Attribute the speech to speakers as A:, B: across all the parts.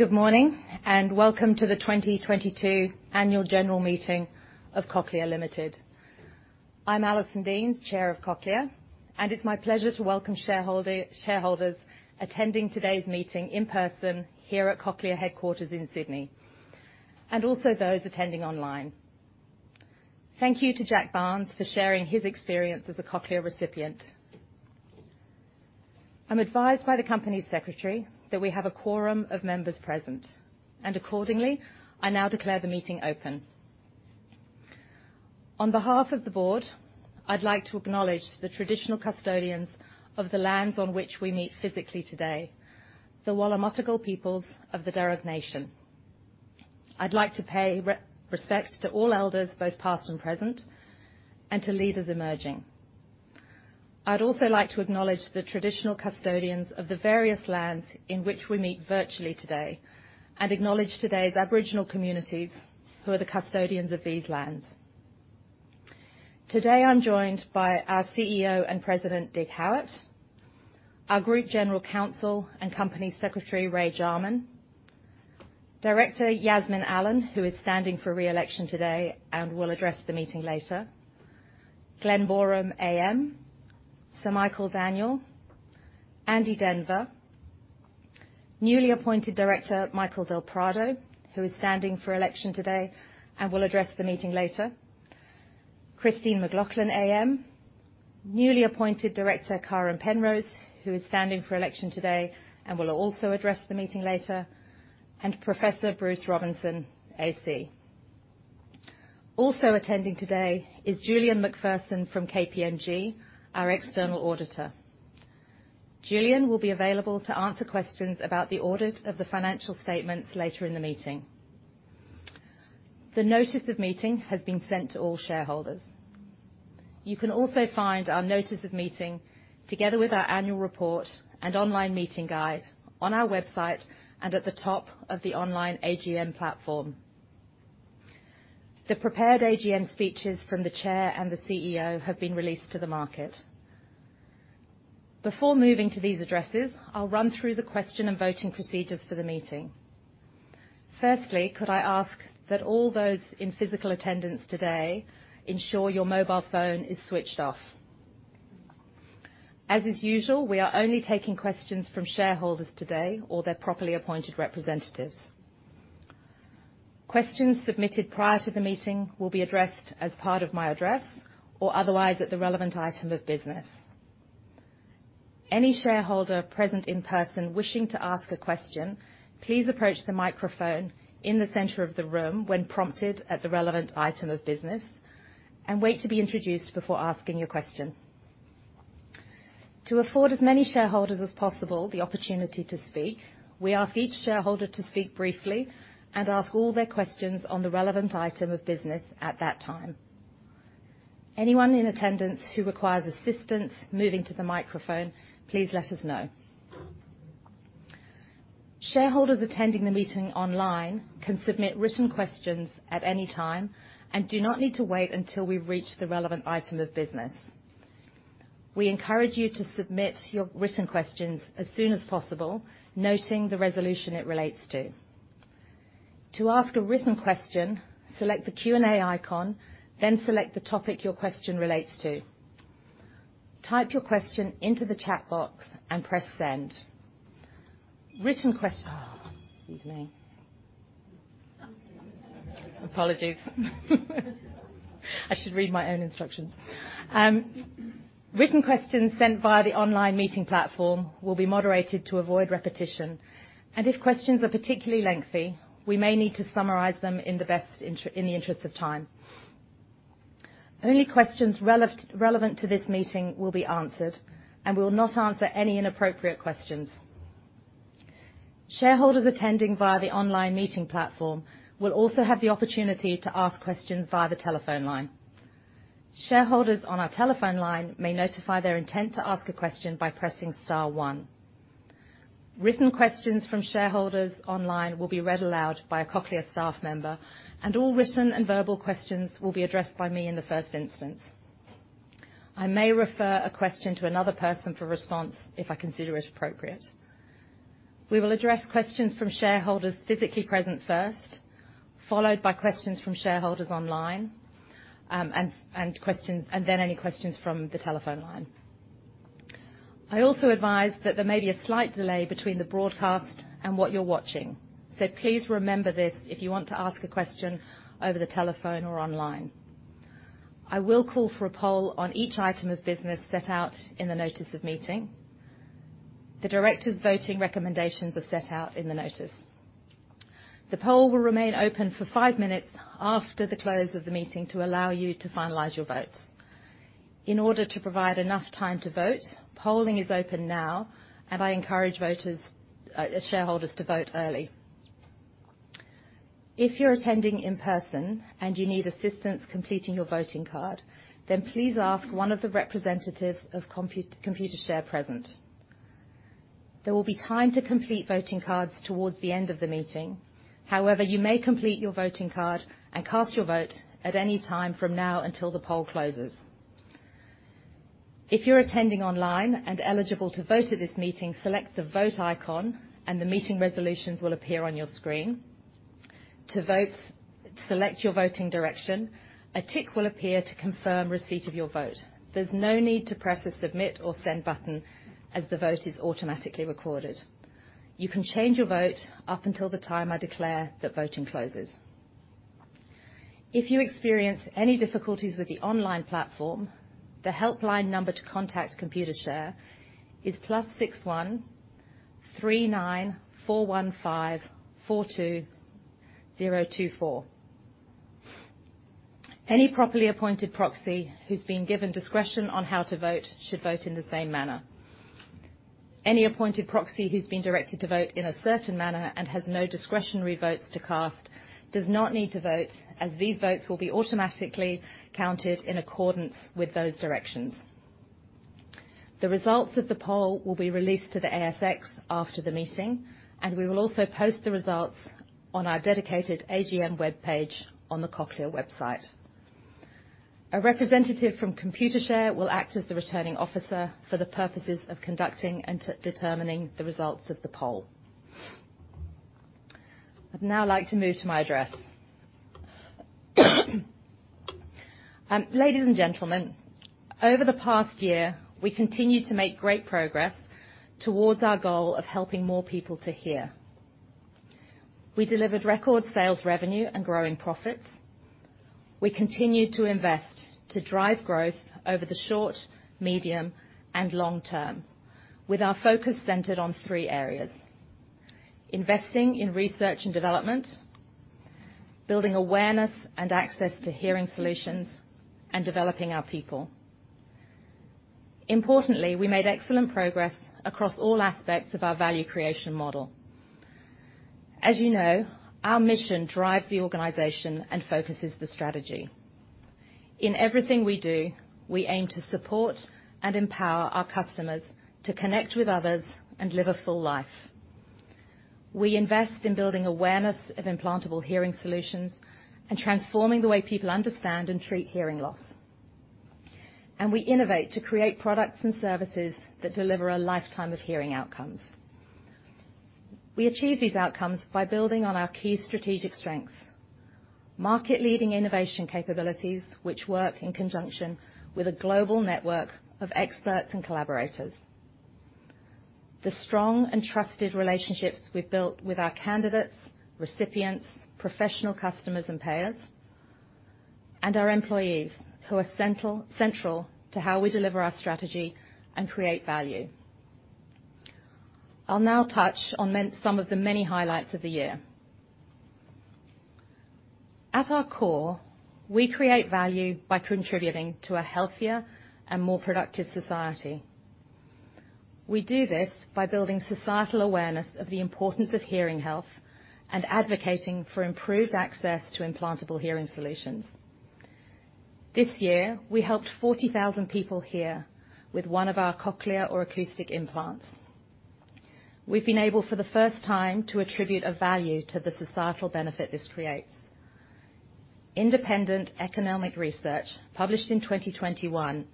A: Good morning, and welcome to the 2022 annual general meeting of Cochlear Limited. I'm Alison Deans, Chair of Cochlear, and it's my pleasure to welcome shareholder, shareholders attending today's meeting in person here at Cochlear headquarters in Sydney, and also those attending online. Thank you to Jack Barnes for sharing his experience as a Cochlear recipient. I'm advised by the company secretary that we have a quorum of members present, and accordingly, I now declare the meeting open. On behalf of the board, I'd like to acknowledge the traditional custodians of the lands on which we meet physically today, the Wallumedegal peoples of the Dharug nation. I'd like to pay respect to all elders, both past and present, and to leaders emerging. I'd also like to acknowledge the traditional custodians of the various lands in which we meet virtually today and acknowledge today's Aboriginal communities who are the custodians of these lands. Today I'm joined by our CEO and President, Dig Howitt, our Group General Counsel and Company Secretary, Ray Jarman, Director Yasmin Allen, who is standing for re-election today and will address the meeting later, Glen Boreham AM, Sir Michael Daniell, Andrew Denver, newly appointed director, Michael del Prado, who is standing for election today and will address the meeting later, Christine McLoughlin AM, newly appointed director, Karen Penrose, who is standing for election today and will also address the meeting later, and Professor Bruce Robinson AC. Also attending today is Julian McPherson from KPMG, our external auditor. Julian will be available to answer questions about the audit of the financial statements later in the meeting. The notice of meeting has been sent to all shareholders. You can also find our notice of meeting together with our annual report and online meeting guide on our website and at the top of the online AGM platform. The prepared AGM speeches from the Chair and the CEO have been released to the market. Before moving to these addresses, I'll run through the question and voting procedures for the meeting. Firstly, could I ask that all those in physical attendance today ensure your mobile phone is switched off. As is usual, we are only taking questions from shareholders today or their properly appointed representatives. Questions submitted prior to the meeting will be addressed as part of my address or otherwise at the relevant item of business. Any shareholder present in person wishing to ask a question, please approach the microphone in the center of the room when prompted at the relevant item of business and wait to be introduced before asking your question. To afford as many shareholders as possible the opportunity to speak, we ask each shareholder to speak briefly and ask all their questions on the relevant item of business at that time. Anyone in attendance who requires assistance moving to the microphone, please let us know. Shareholders attending the meeting online can submit written questions at any time and do not need to wait until we reach the relevant item of business. We encourage you to submit your written questions as soon as possible, noting the resolution it relates to. To ask a written question, select the Q&A icon, then select the topic your question relates to. Type your question into the chat box and press Send. Oh, excuse me. Apologies. I should read my own instructions. Written questions sent via the online meeting platform will be moderated to avoid repetition, and if questions are particularly lengthy, we may need to summarize them in the best in the interest of time. Only questions relevant to this meeting will be answered, and we will not answer any inappropriate questions. Shareholders attending via the online meeting platform will also have the opportunity to ask questions via the telephone line. Shareholders on our telephone line may notify their intent to ask a question by pressing star one. Written questions from shareholders online will be read aloud by a Cochlear staff member, and all written and verbal questions will be addressed by me in the first instance. I may refer a question to another person for response if I consider it appropriate. We will address questions from shareholders physically present first, followed by questions from shareholders online, and then any questions from the telephone line. I also advise that there may be a slight delay between the broadcast and what you're watching, so please remember this if you want to ask a question over the telephone or online. I will call for a poll on each item of business set out in the notice of meeting. The directors' voting recommendations are set out in the notice. The poll will remain open for five minutes after the close of the meeting to allow you to finalize your votes. In order to provide enough time to vote, polling is open now, and I encourage voters, shareholders to vote early. If you're attending in person and you need assistance completing your voting card, then please ask one of the representatives of Computershare present. There will be time to complete voting cards towards the end of the meeting. However, you may complete your voting card and cast your vote at any time from now until the poll closes. If you're attending online and eligible to vote at this meeting, select the Vote icon, and the meeting resolutions will appear on your screen. To vote, select your voting direction. A tick will appear to confirm receipt of your vote. There's no need to press the Submit or Send button as the vote is automatically recorded. You can change your vote up until the time I declare that voting closes. If you experience any difficulties with the online platform, the helpline number to contact Computershare is +61 3 9415 42024. Any properly appointed proxy who's been given discretion on how to vote should vote in the same manner. Any appointed proxy who's been directed to vote in a certain manner and has no discretionary votes to cast does not need to vote as these votes will be automatically counted in accordance with those directions. The results of the poll will be released to the ASX after the meeting, and we will also post the results on our dedicated AGM webpage on the Cochlear website. A representative from Computershare will act as the Returning Officer for the purposes of conducting and determining the results of the poll. I'd now like to move to my address. Ladies and gentlemen, over the past year, we continued to make great progress towards our goal of helping more people to hear. We delivered record sales revenue and growing profits. We continued to invest to drive growth over the short, medium, and long term, with our focus centered on three areas, investing in research and development, building awareness and access to hearing solutions, and developing our people. Importantly, we made excellent progress across all aspects of our value creation model. As you know, our mission drives the organization and focuses the strategy. In everything we do, we aim to support and empower our customers to connect with others and live a full life. We invest in building awareness of implantable hearing solutions and transforming the way people understand and treat hearing loss. We innovate to create products and services that deliver a lifetime of hearing outcomes. We achieve these outcomes by building on our key strategic strengths. Market-leading innovation capabilities, which work in conjunction with a global network of experts and collaborators. The strong and trusted relationships we've built with our candidates, recipients, professional customers, and payers, and our employees, who are central to how we deliver our strategy and create value. I'll now touch on some of the many highlights of the year. At our core, we create value by contributing to a healthier and more productive society. We do this by building societal awareness of the importance of hearing health and advocating for improved access to implantable hearing solutions. This year, we helped 40,000 people hear with one of our Cochlear or acoustic implants. We've been able, for the first time, to attribute a value to the societal benefit this creates. Independent economic research, published in 2021,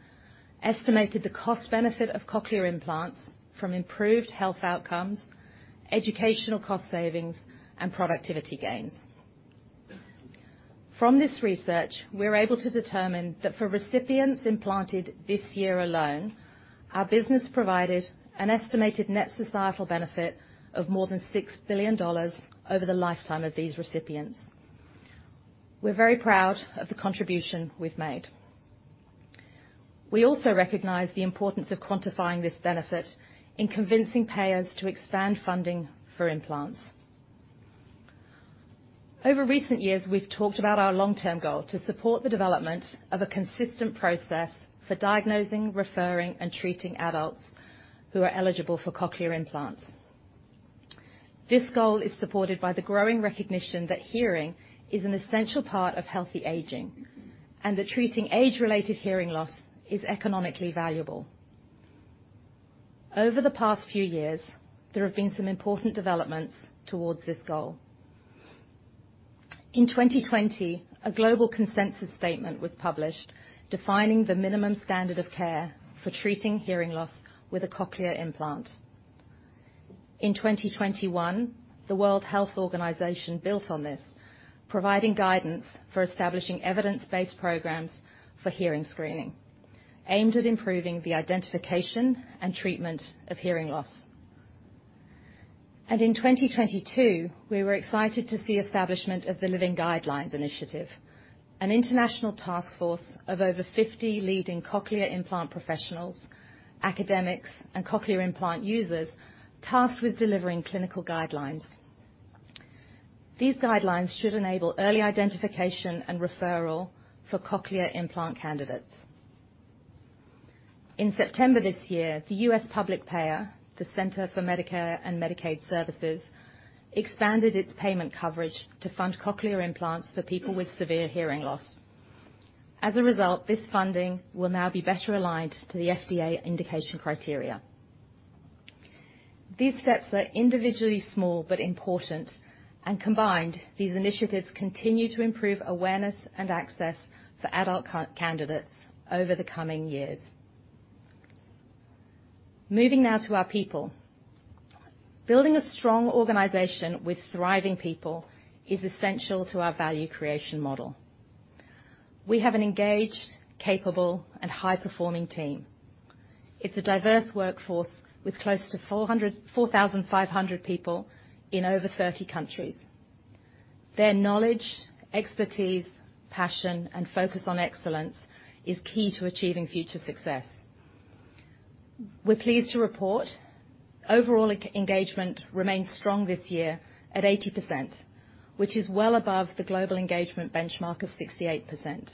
A: estimated the cost benefit of Cochlear implants from improved health outcomes, educational cost savings, and productivity gains. From this research, we're able to determine that for recipients implanted this year alone, our business provided an estimated net societal benefit of more than 6 billion dollars over the lifetime of these recipients. We're very proud of the contribution we've made. We also recognize the importance of quantifying this benefit in convincing payers to expand funding for implants. Over recent years, we've talked about our long-term goal to support the development of a consistent process for diagnosing, referring, and treating adults who are eligible for Cochlear implants. This goal is supported by the growing recognition that hearing is an essential part of healthy aging, and that treating age-related hearing loss is economically valuable. Over the past few years, there have been some important developments towards this goal. In 2020, a global consensus statement was published defining the minimum standard of care for treating hearing loss with a cochlear implant. In 2021, the World Health Organization built on this, providing guidance for establishing evidence-based programs for hearing screening aimed at improving the identification and treatment of hearing loss. In 2022, we were excited to see establishment of the Living Guidelines Initiative, an international task force of over 50 leading cochlear implant professionals, academics, and cochlear implant users tasked with delivering clinical guidelines. These guidelines should enable early identification and referral for cochlear implant candidates. In September this year, the U.S. public payer, the Centers for Medicare & Medicaid Services, expanded its payment coverage to fund cochlear implants for people with severe hearing loss. As a result, this funding will now be better aligned to the FDA indication criteria. These steps are individually small but important, and combined, these initiatives continue to improve awareness and access for adult candidates over the coming years. Moving now to our people. Building a strong organization with thriving people is essential to our value creation model. We have an engaged, capable, and high-performing team. It's a diverse workforce with close to 4,500 people in over 30 countries. Their knowledge, expertise, passion, and focus on excellence is key to achieving future success. We're pleased to report overall engagement remains strong this year at 80%, which is well above the global engagement benchmark of 68%.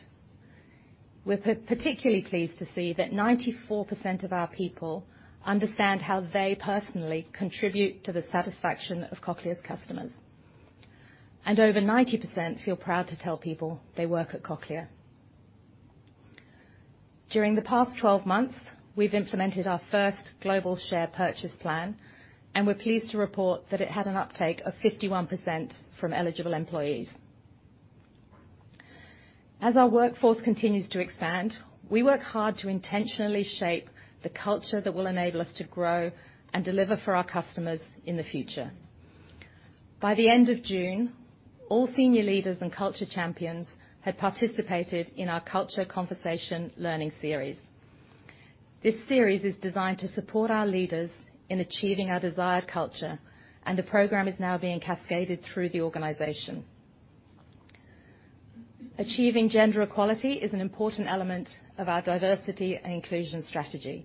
A: We're particularly pleased to see that 94% of our people understand how they personally contribute to the satisfaction of Cochlear's customers. Over 90% feel proud to tell people they work at Cochlear. During the past 12 months, we've implemented our first global share purchase plan, and we're pleased to report that it had an uptake of 51% from eligible employees. As our workforce continues to expand, we work hard to intentionally shape the culture that will enable us to grow and deliver for our customers in the future. By the end of June, all senior leaders and culture champions had participated in our culture conversation learning series. This series is designed to support our leaders in achieving our desired culture, and the program is now being cascaded through the organization. Achieving gender equality is an important element of our diversity and inclusion strategy.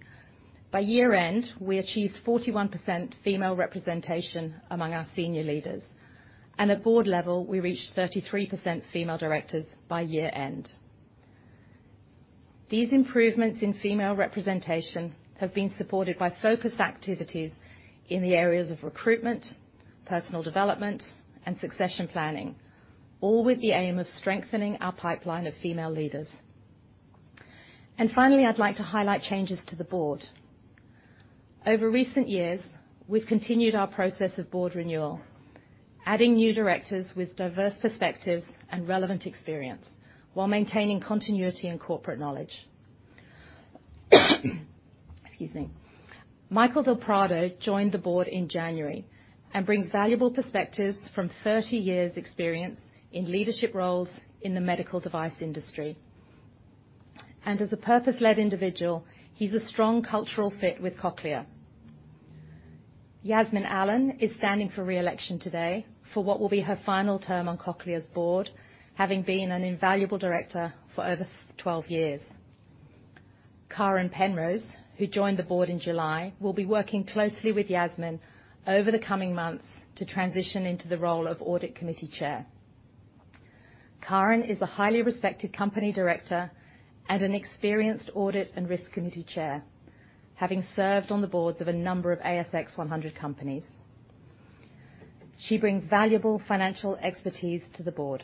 A: By year-end, we achieved 41% female representation among our senior leaders, and at board level, we reached 33% female directors by year-end. These improvements in female representation have been supported by focused activities in the areas of recruitment, personal development, and succession planning, all with the aim of strengthening our pipeline of female leaders. Finally, I'd like to highlight changes to the board. Over recent years, we've continued our process of board renewal, adding new directors with diverse perspectives and relevant experience while maintaining continuity and corporate knowledge. Excuse me. Michael del Prado joined the board in January and brings valuable perspectives from 30 years' experience in leadership roles in the medical device industry. As a purpose-led individual, he's a strong cultural fit with Cochlear. Yasmin Allen is standing for re-election today for what will be her final term on Cochlear's board, having been an invaluable director for over 12 years. Karen Penrose, who joined the board in July, will be working closely with Yasmin over the coming months to transition into the role of audit committee chair. Karen is a highly respected company director and an experienced audit and risk committee chair, having served on the boards of a number of ASX 100 companies. She brings valuable financial expertise to the board.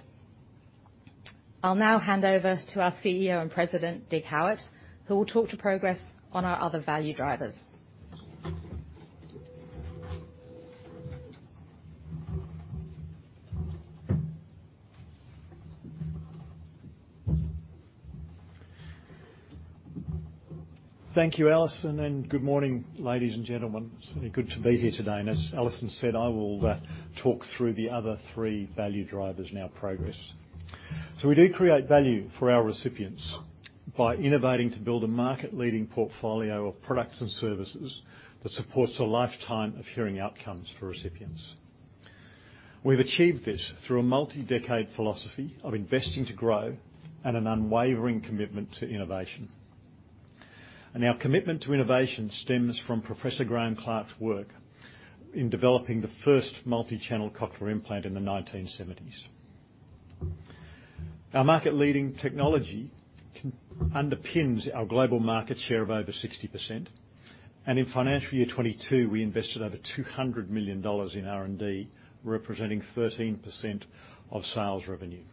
A: I'll now hand over to our CEO and President, Dig Howitt, who will talk to progress on our other value drivers.
B: Thank you, Alison, and good morning, ladies and gentlemen. It's really good to be here today, and as Alison said, I will talk through the other three value drivers and our progress. We do create value for our recipients by innovating to build a market-leading portfolio of products and services that supports a lifetime of hearing outcomes for recipients. We've achieved this through a multi-decade philosophy of investing to grow and an unwavering commitment to innovation. Our commitment to innovation stems from Professor Graeme Clark's work in developing the first multi-channel cochlear implant in the 1970s. Our market-leading technology underpins our global market share of over 60%, and in financial year 2022, we invested over 200 million dollars in R&D, representing 13% of sales revenue.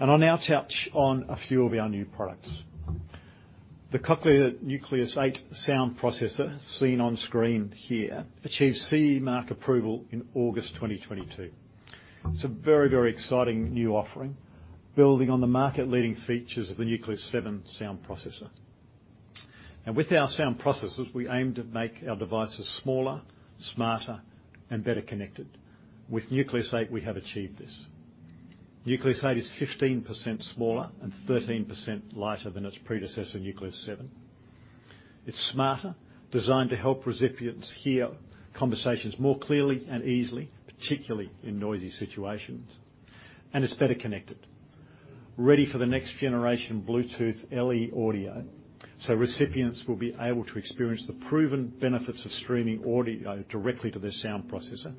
B: I'll now touch on a few of our new products. The Cochlear Nucleus 8 Sound Processor, seen on screen here, achieved CE mark approval in August 2022. It's a very, very exciting new offering, building on the market-leading features of the Nucleus 7 Sound Processor. With our sound processors, we aim to make our devices smaller, smarter, and better connected. With Nucleus 8, we have achieved this. Nucleus 8 is 15% smaller and 13% lighter than its predecessor, Nucleus 7. It's smarter, designed to help recipients hear conversations more clearly and easily, particularly in noisy situations. It's better connected, ready for the next generation Bluetooth LE Audio, so recipients will be able to experience the proven benefits of streaming audio directly to their sound processor,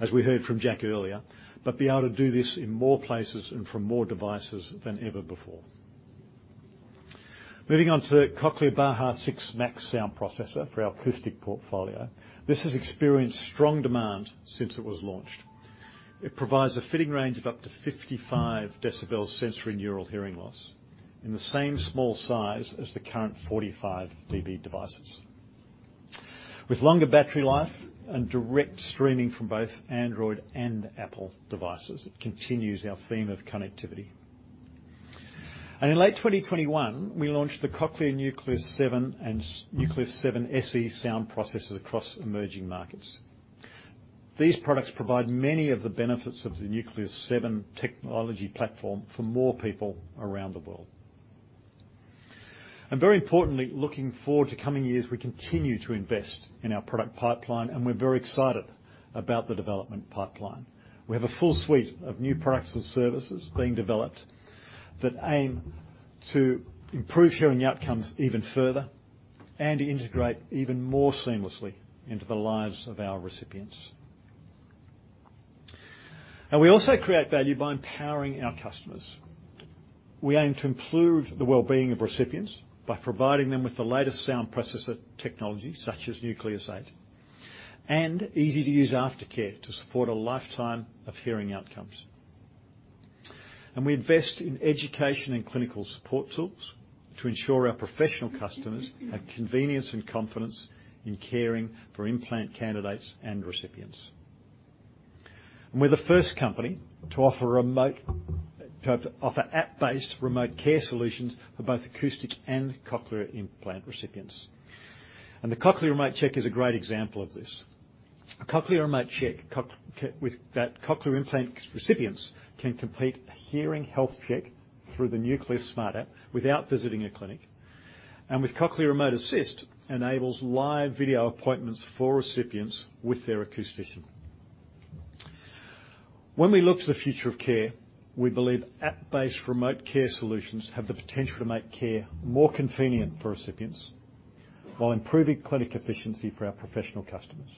B: as we heard from Jack earlier, but be able to do this in more places and from more devices than ever before. Moving on to the Cochlear Baha 6 Max sound processor for our acoustic portfolio. This has experienced strong demand since it was launched. It provides a fitting range of up to 55 decibels sensory neural hearing loss in the same small size as the current 45 dB devices. With longer battery life and direct streaming from both Android and Apple devices, it continues our theme of connectivity. In late 2021, we launched the Cochlear Nucleus 7 and Nucleus 7 SE sound processors across emerging markets. These products provide many of the benefits of the Nucleus 7 technology platform for more people around the world. Very importantly, looking forward to coming years, we continue to invest in our product pipeline, and we're very excited about the development pipeline. We have a full suite of new products and services being developed that aim to improve hearing outcomes even further and integrate even more seamlessly into the lives of our recipients. Now, we also create value by empowering our customers. We aim to improve the well-being of recipients by providing them with the latest sound processor technology, such as Nucleus 8, and easy-to-use aftercare to support a lifetime of hearing outcomes. We invest in education and clinical support tools to ensure our professional customers have convenience and confidence in caring for implant candidates and recipients. We're the first company to offer remote. to offer app-based remote care solutions for both acoustic and cochlear implant recipients. The Cochlear Remote Check is a great example of this. A Cochlear Remote Check that cochlear implant recipients can complete a hearing health check through the Nucleus Smart App without visiting a clinic, and with Cochlear Remote Assist, enables live video appointments for recipients with their acoustician. When we look to the future of care, we believe app-based remote care solutions have the potential to make care more convenient for recipients while improving clinic efficiency for our professional customers.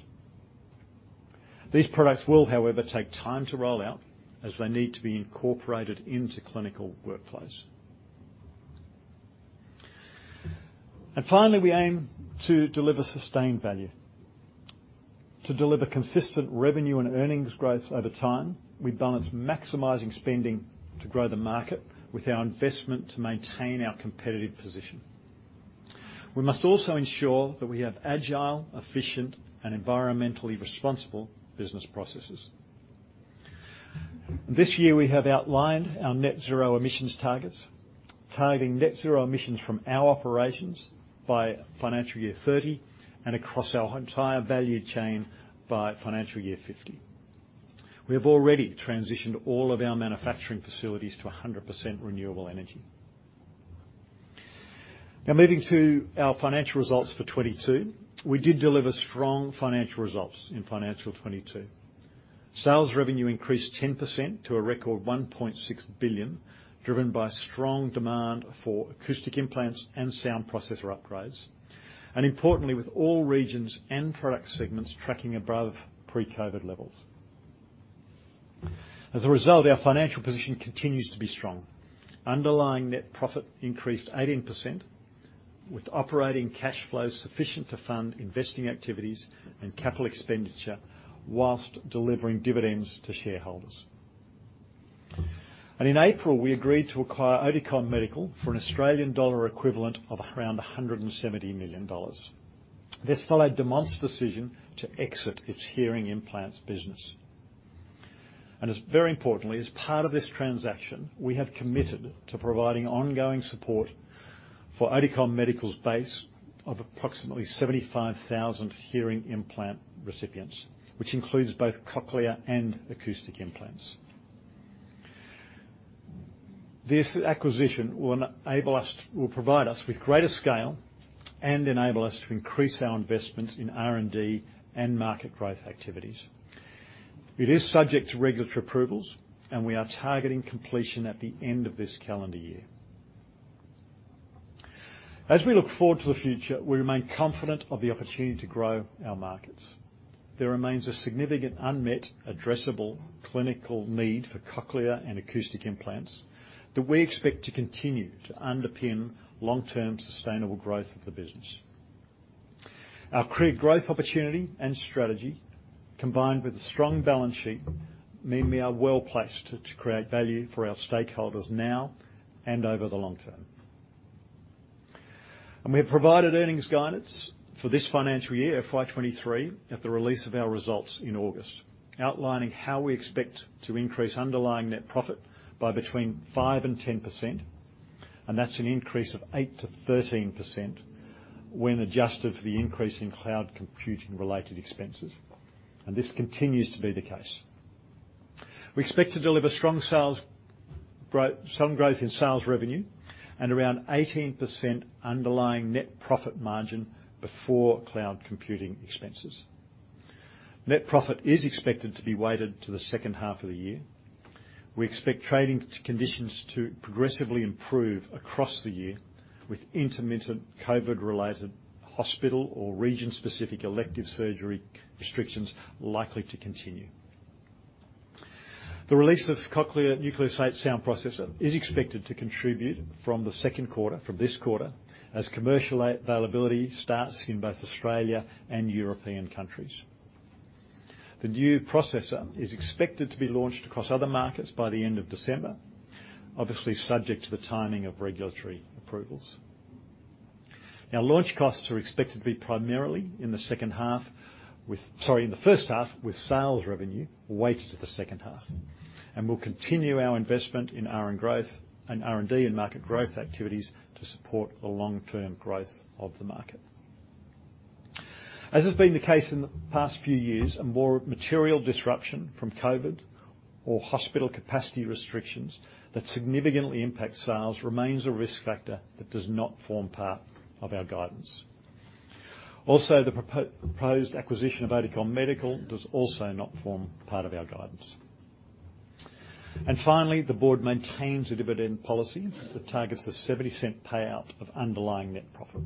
B: These products will, however, take time to roll out as they need to be incorporated into clinical workflows. Finally, we aim to deliver sustained value. To deliver consistent revenue and earnings growth over time, we balance maximizing spending to grow the market with our investment to maintain our competitive position. We must also ensure that we have agile, efficient, and environmentally responsible business processes. This year, we have outlined our net zero emissions targets, targeting net zero emissions from our operations by financial year 30 and across our entire value chain by financial year 50. We have already transitioned all of our manufacturing facilities to 100% renewable energy. Now, moving to our financial results for 2022. We did deliver strong financial results in financial 2022. Sales revenue increased 10% to a record 1.6 billion, driven by strong demand for cochlear implants and sound processor upgrades, and importantly, with all regions and product segments tracking above pre-COVID levels. As a result, our financial position continues to be strong. Underlying net profit increased 18% with operating cash flows sufficient to fund investing activities and capital expenditure while delivering dividends to shareholders. In April, we agreed to acquire Oticon Medical for an Australian dollar equivalent of around 170 million dollars. This followed Demant's decision to exit its hearing implants business. Very importantly, as part of this transaction, we have committed to providing ongoing support for Oticon Medical's base of approximately 75,000 hearing implant recipients, which includes both Cochlear and acoustic implants. This acquisition will provide us with greater scale and enable us to increase our investments in R&D and market growth activities. It is subject to regulatory approvals, and we are targeting completion at the end of this calendar year. As we look forward to the future, we remain confident of the opportunity to grow our markets. There remains a significant unmet addressable clinical need for cochlear and acoustic implants that we expect to continue to underpin long-term sustainable growth of the business. Our clear growth opportunity and strategy, combined with a strong balance sheet, mean we are well-placed to create value for our stakeholders now and over the long term. We have provided earnings guidance for this financial year, FY 2023, at the release of our results in August, outlining how we expect to increase underlying net profit by between 5% and 10%, and that's an increase of 8%-13% when adjusted for the increase in cloud computing-related expenses. This continues to be the case. We expect to deliver some growth in sales revenue and around 18% underlying net profit margin before cloud computing expenses. Net profit is expected to be weighted to the second half of the year. We expect trading conditions to progressively improve across the year, with intermittent COVID-related hospital or region-specific elective surgery restrictions likely to continue. The release of Cochlear Nucleus 8 Sound Processor is expected to contribute from this quarter, as commercial availability starts in both Australia and European countries. The new processor is expected to be launched across other markets by the end of December, obviously subject to the timing of regulatory approvals. Now, launch costs are expected to be primarily in the first half, with sales revenue weighted to the second half. We'll continue our investment in R&D and market growth activities to support the long-term growth of the market. As has been the case in the past few years, a more material disruption from COVID or hospital capacity restrictions that significantly impact sales remains a risk factor that does not form part of our guidance. Also, the proposed acquisition of Oticon Medical does also not form part of our guidance. Finally, the board maintains a dividend policy that targets an 0.70 payout of underlying net profit.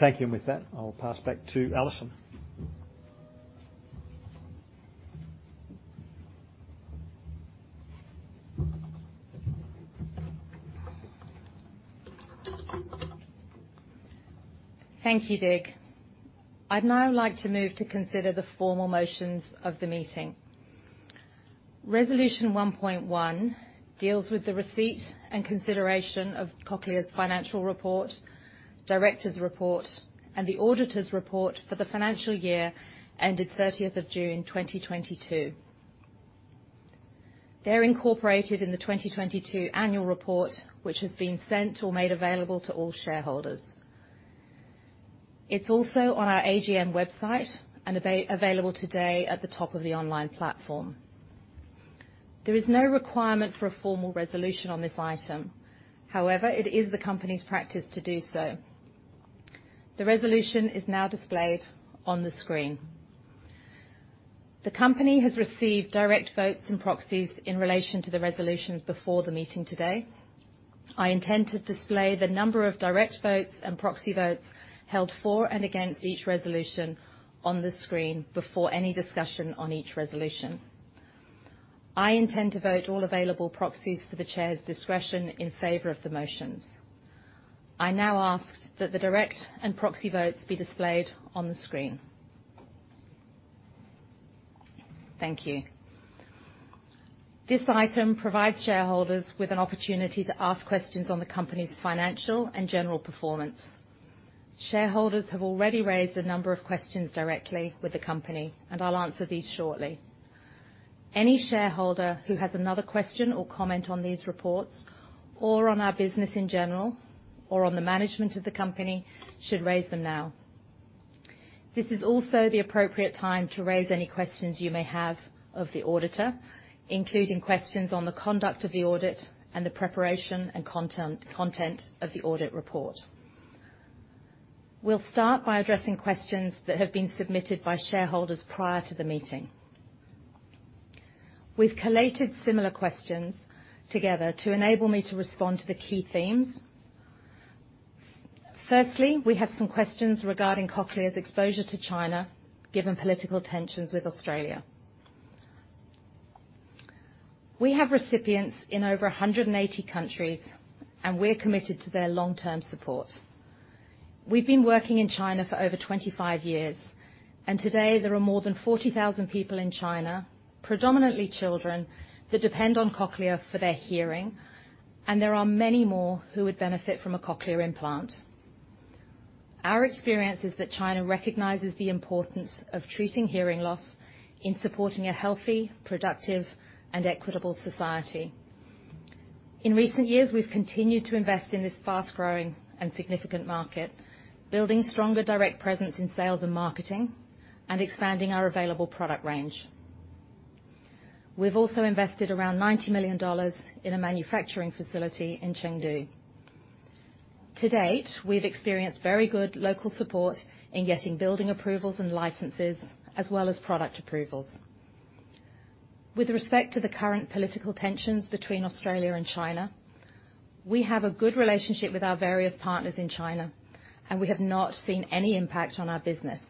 B: Thank you. With that, I'll pass back to Alison.
A: Thank you, Dig. I'd now like to move to consider the formal motions of the meeting. Resolution 1.1 deals with the receipt and consideration of Cochlear's financial report, directors' report, and the auditors' report for the financial year ended 30th of June, 2022. They're incorporated in the 2022 annual report, which has been sent or made available to all shareholders. It's also on our AGM website, and available today at the top of the online platform. There is no requirement for a formal resolution on this item. However, it is the company's practice to do so. The resolution is now displayed on the screen. The company has received direct votes and proxies in relation to the resolutions before the meeting today. I intend to display the number of direct votes and proxy votes held for and against each resolution on the screen before any discussion on each resolution. I intend to vote all available proxies to the chair's discretion in favor of the motions. I now ask that the direct and proxy votes be displayed on the screen. Thank you. This item provides shareholders with an opportunity to ask questions on the company's financial and general performance. Shareholders have already raised a number of questions directly with the company, and I'll answer these shortly. Any shareholder who has another question or comment on these reports, or on our business in general, or on the management of the company should raise them now. This is also the appropriate time to raise any questions you may have of the auditor, including questions on the conduct of the audit and the preparation and content of the audit report. We'll start by addressing questions that have been submitted by shareholders prior to the meeting. We've collated similar questions together to enable me to respond to the key themes. Firstly, we have some questions regarding Cochlear's exposure to China, given political tensions with Australia. We have recipients in over 180 countries, and we're committed to their long-term support. We've been working in China for over 25 years, and today there are more than 40,000 people in China, predominantly children, that depend on Cochlear for their hearing, and there are many more who would benefit from a cochlear implant. Our experience is that China recognizes the importance of treating hearing loss in supporting a healthy, productive, and equitable society. In recent years, we've continued to invest in this fast-growing and significant market, building stronger direct presence in sales and marketing and expanding our available product range. We've also invested around 90 million dollars in a manufacturing facility in Chengdu. To date, we've experienced very good local support in getting building approvals and licenses as well as product approvals. With respect to the current political tensions between Australia and China, we have a good relationship with our various partners in China, and we have not seen any impact on our business.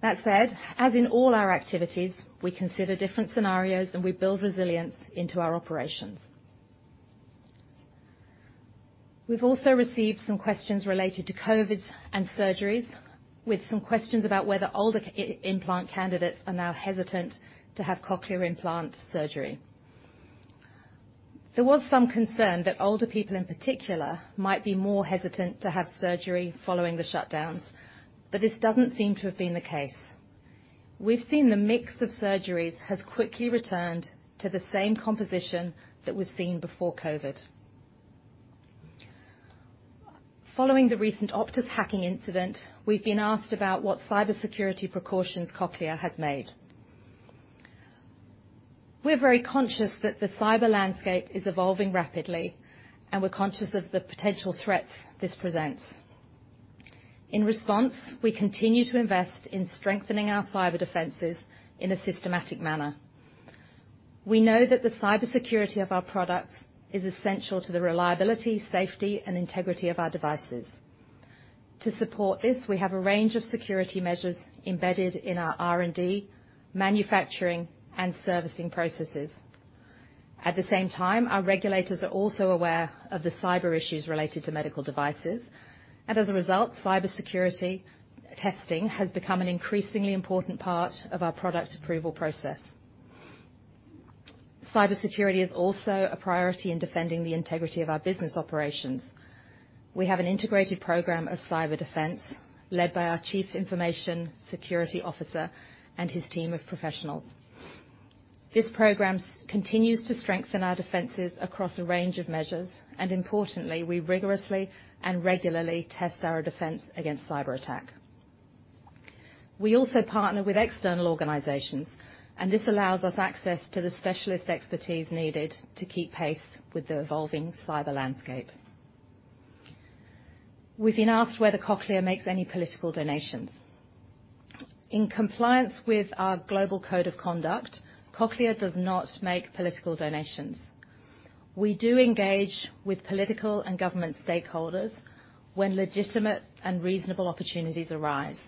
A: That said, as in all our activities, we consider different scenarios, and we build resilience into our operations. We've also received some questions related to COVID and surgeries, with some questions about whether older cochlear implant candidates are now hesitant to have cochlear implant surgery. There was some concern that older people, in particular, might be more hesitant to have surgery following the shutdowns, but this doesn't seem to have been the case. We've seen the mix of surgeries has quickly returned to the same composition that was seen before COVID. Following the recent Optus hacking incident, we've been asked about what cybersecurity precautions Cochlear has made. We're very conscious that the cyber landscape is evolving rapidly, and we're conscious of the potential threats this presents. In response, we continue to invest in strengthening our cyber defenses in a systematic manner. We know that the cybersecurity of our products is essential to the reliability, safety, and integrity of our devices. To support this, we have a range of security measures embedded in our R&D, manufacturing, and servicing processes. At the same time, our regulators are also aware of the cyber issues related to medical devices, as a result, cybersecurity testing has become an increasingly important part of our product approval process. Cybersecurity is also a priority in defending the integrity of our business operations. We have an integrated program of cyber defense led by our chief information security officer and his team of professionals. This program continues to strengthen our defenses across a range of measures, and importantly, we rigorously and regularly test our defense against cyberattack. We also partner with external organizations, and this allows us access to the specialist expertise needed to keep pace with the evolving cyber landscape. We've been asked whether Cochlear makes any political donations. In compliance with our global code of conduct, Cochlear does not make political donations. We do engage with political and government stakeholders when legitimate and reasonable opportunities arise,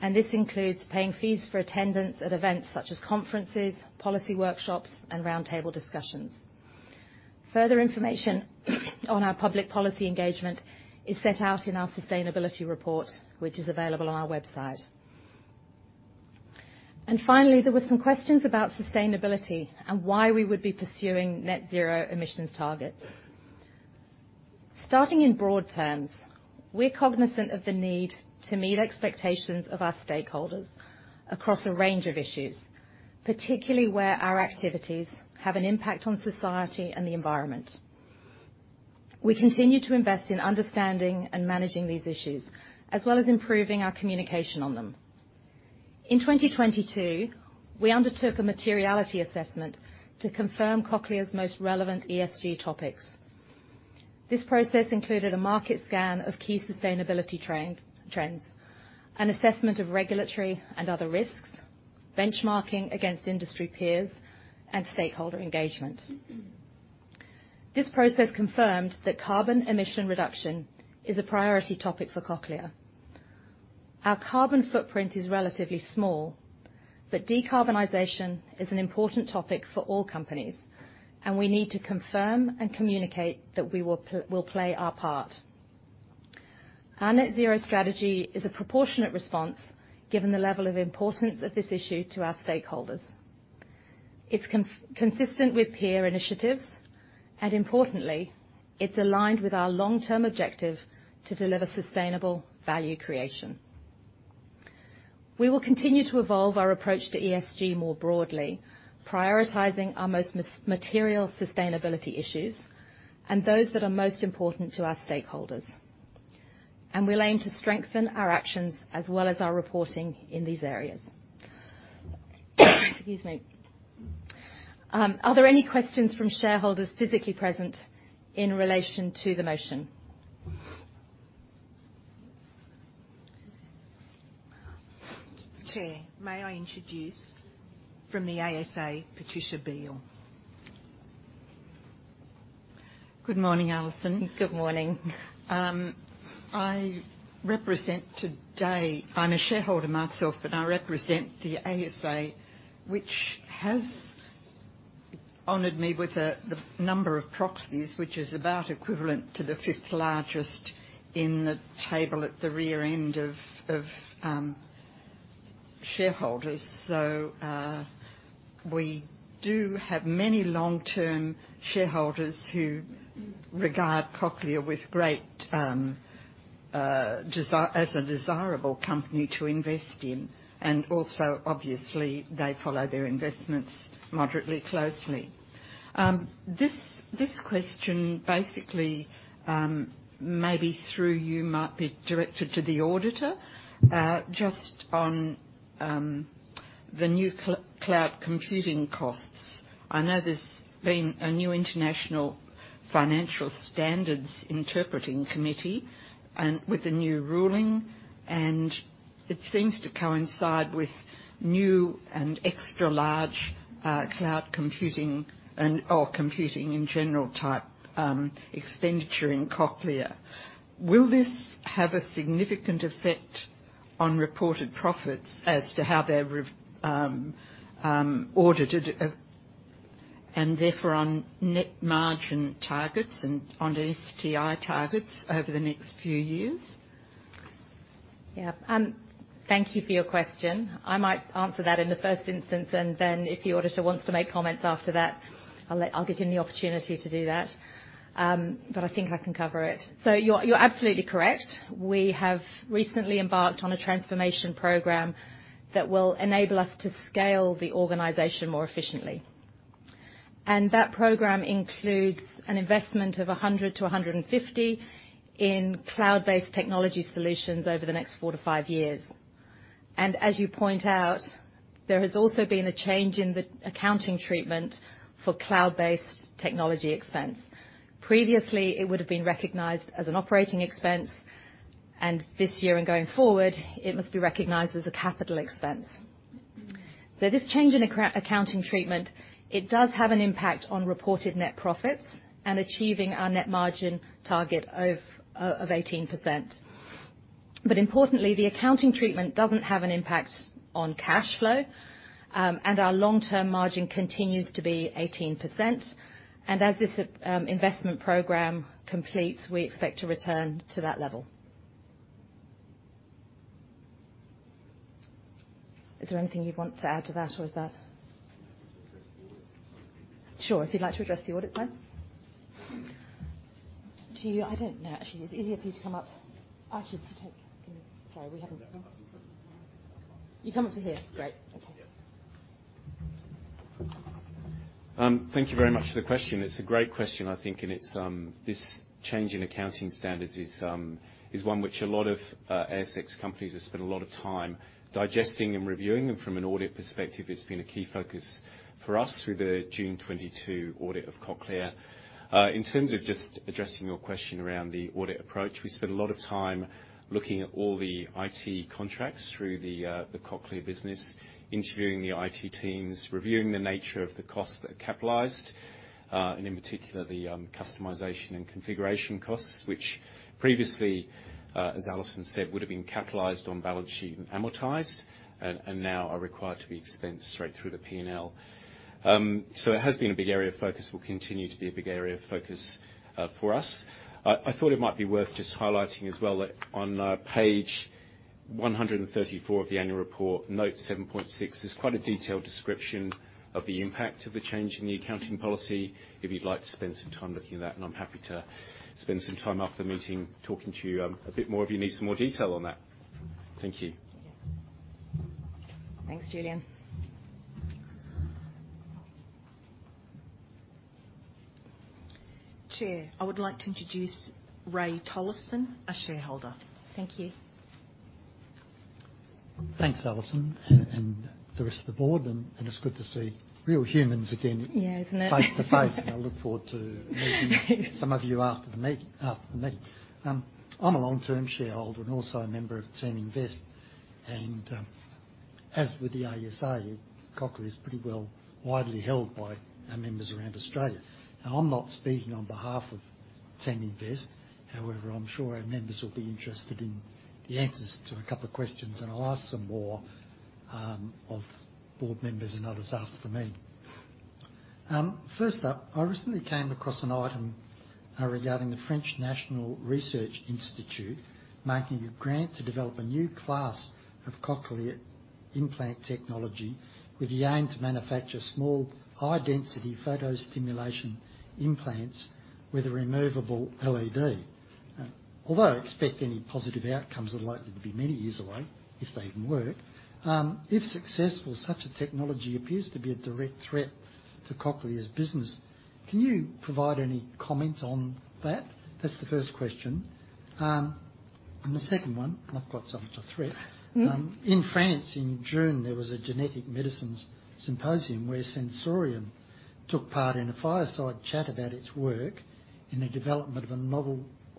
A: and this includes paying fees for attendance at events such as conferences, policy workshops, and roundtable discussions. Further information on our public policy engagement is set out in our sustainability report, which is available on our website. Finally, there were some questions about sustainability and why we would be pursuing net zero emissions targets. Starting in broad terms, we're cognizant of the need to meet expectations of our stakeholders across a range of issues, particularly where our activities have an impact on society and the environment. We continue to invest in understanding and managing these issues, as well as improving our communication on them. In 2022, we undertook a materiality assessment to confirm Cochlear's most relevant ESG topics. This process included a market scan of key sustainability trends, an assessment of regulatory and other risks, benchmarking against industry peers, and stakeholder engagement. This process confirmed that carbon emission reduction is a priority topic for Cochlear. Our carbon footprint is relatively small, but decarbonization is an important topic for all companies, and we need to confirm and communicate that we will play our part. Our net zero strategy is a proportionate response given the level of importance of this issue to our stakeholders. It's consistent with peer initiatives, and importantly, it's aligned with our long-term objective to deliver sustainable value creation. We will continue to evolve our approach to ESG more broadly, prioritizing our most material sustainability issues and those that are most important to our stakeholders. We'll aim to strengthen our actions as well as our reporting in these areas. Excuse me. Are there any questions from shareholders physically present in relation to the motion?
C: Chair, may I introduce from the ASA, Patricia Beal.
D: Good morning, Alison.
A: Good morning.
D: I represent today. I'm a shareholder myself, but I represent the ASA, which has honored me with the number of proxies, which is about equivalent to the fifth largest in the table at the rear end of shareholders. We do have many long-term shareholders who regard Cochlear with great as a desirable company to invest in, and also, obviously, they follow their investments moderately closely. This question basically, maybe through you, might be directed to the auditor. Just on the new cloud computing costs. I know there's been a new international financial standards interpreting committee and with a new ruling, and it seems to coincide with new and extra-large cloud computing or computing in general type expenditure in Cochlear.Will this have a significant effect on reported profits as to how they're audited and therefore on net margin targets and on STI targets over the next few years?
A: Yeah. Thank you for your question. I might answer that in the first instance, and then if the auditor wants to make comments after that, I'll give him the opportunity to do that. I think I can cover it. You're absolutely correct. We have recently embarked on a transformation program that will enable us to scale the organization more efficiently. That program includes an investment of 100 million-150 million in cloud-based technology solutions over the next 4-5 years. As you point out, there has also been a change in the accounting treatment for cloud-based technology expense. Previously, it would have been recognized as an operating expense, and this year and going forward, it must be recognized as a capital expense. This change in accounting treatment does have an impact on reported net profits and achieving our net margin target of 18%. Importantly, the accounting treatment doesn't have an impact on cash flow, and our long-term margin continues to be 18%. As this investment program completes, we expect to return to that level. Is there anything you'd want to add to that, or is that.
E: If you'd like me to address the audit side.
A: Sure, if you'd like to address the audit side. To you, I don't know. Actually, is it easier for you to come up? You come up to here.
E: Yes.
A: Great. Thank you.
E: Yeah. Thank you very much for the question. It's a great question, I think, and it's this change in accounting standards is one which a lot of ASX companies have spent a lot of time digesting and reviewing. From an audit perspective, it's been a key focus for us through the June 2022 audit of Cochlear. In terms of just addressing your question around the audit approach, we spent a lot of time looking at all the IT contracts through the Cochlear business, interviewing the IT teams, reviewing the nature of the costs that are capitalized, and in particular, the customization and configuration costs, which previously, as Alison said, would have been capitalized on balance sheet and amortized, and now are required to be expensed straight through the P&L. It has been a big area of focus, will continue to be a big area of focus, for us. I thought it might be worth just highlighting as well that on page 134 of the annual report, note 7.6, there's quite a detailed description of the impact of the change in the accounting policy, if you'd like to spend some time looking at that. I'm happy to spend some time after the meeting talking to you, a bit more if you need some more detail on that. Thank you.
A: Yeah. Thanks, Julian.
C: Chair, I would like to introduce Ray Tollison, a shareholder. Thank you.
F: Thanks, Alison, and the rest of the board. It's good to see real humans again--
A: Yeah, isn't it?
F: --face-to-face. I look forward to meeting some of you after the meeting. I'm a long-term shareholder and also a member of CAMA Invest. As with the ASA, Cochlear is pretty well widely held by our members around Australia. Now, I'm not speaking on behalf of CAMA Invest. However, I'm sure our members will be interested in the answers to a couple of questions, and I'll ask some more of board members and others after the meeting. First up, I recently came across an item regarding the French National Institute of Health and Medical Research making a grant to develop a new class of cochlear implant technology with the aim to manufacture small, high-density photo stimulation implants with a removable LED. Although I expect any positive outcomes are likely to be many years away, if they even work, if successful, such a technology appears to be a direct threat to Cochlear's business. Can you provide any comments on that? That's the first question. The second one, not quite so much a threat.
A: Mm-hmm.
F: In France in June, there was a genetic medicines symposium where Sensorion took part in a fireside chat about its work in the development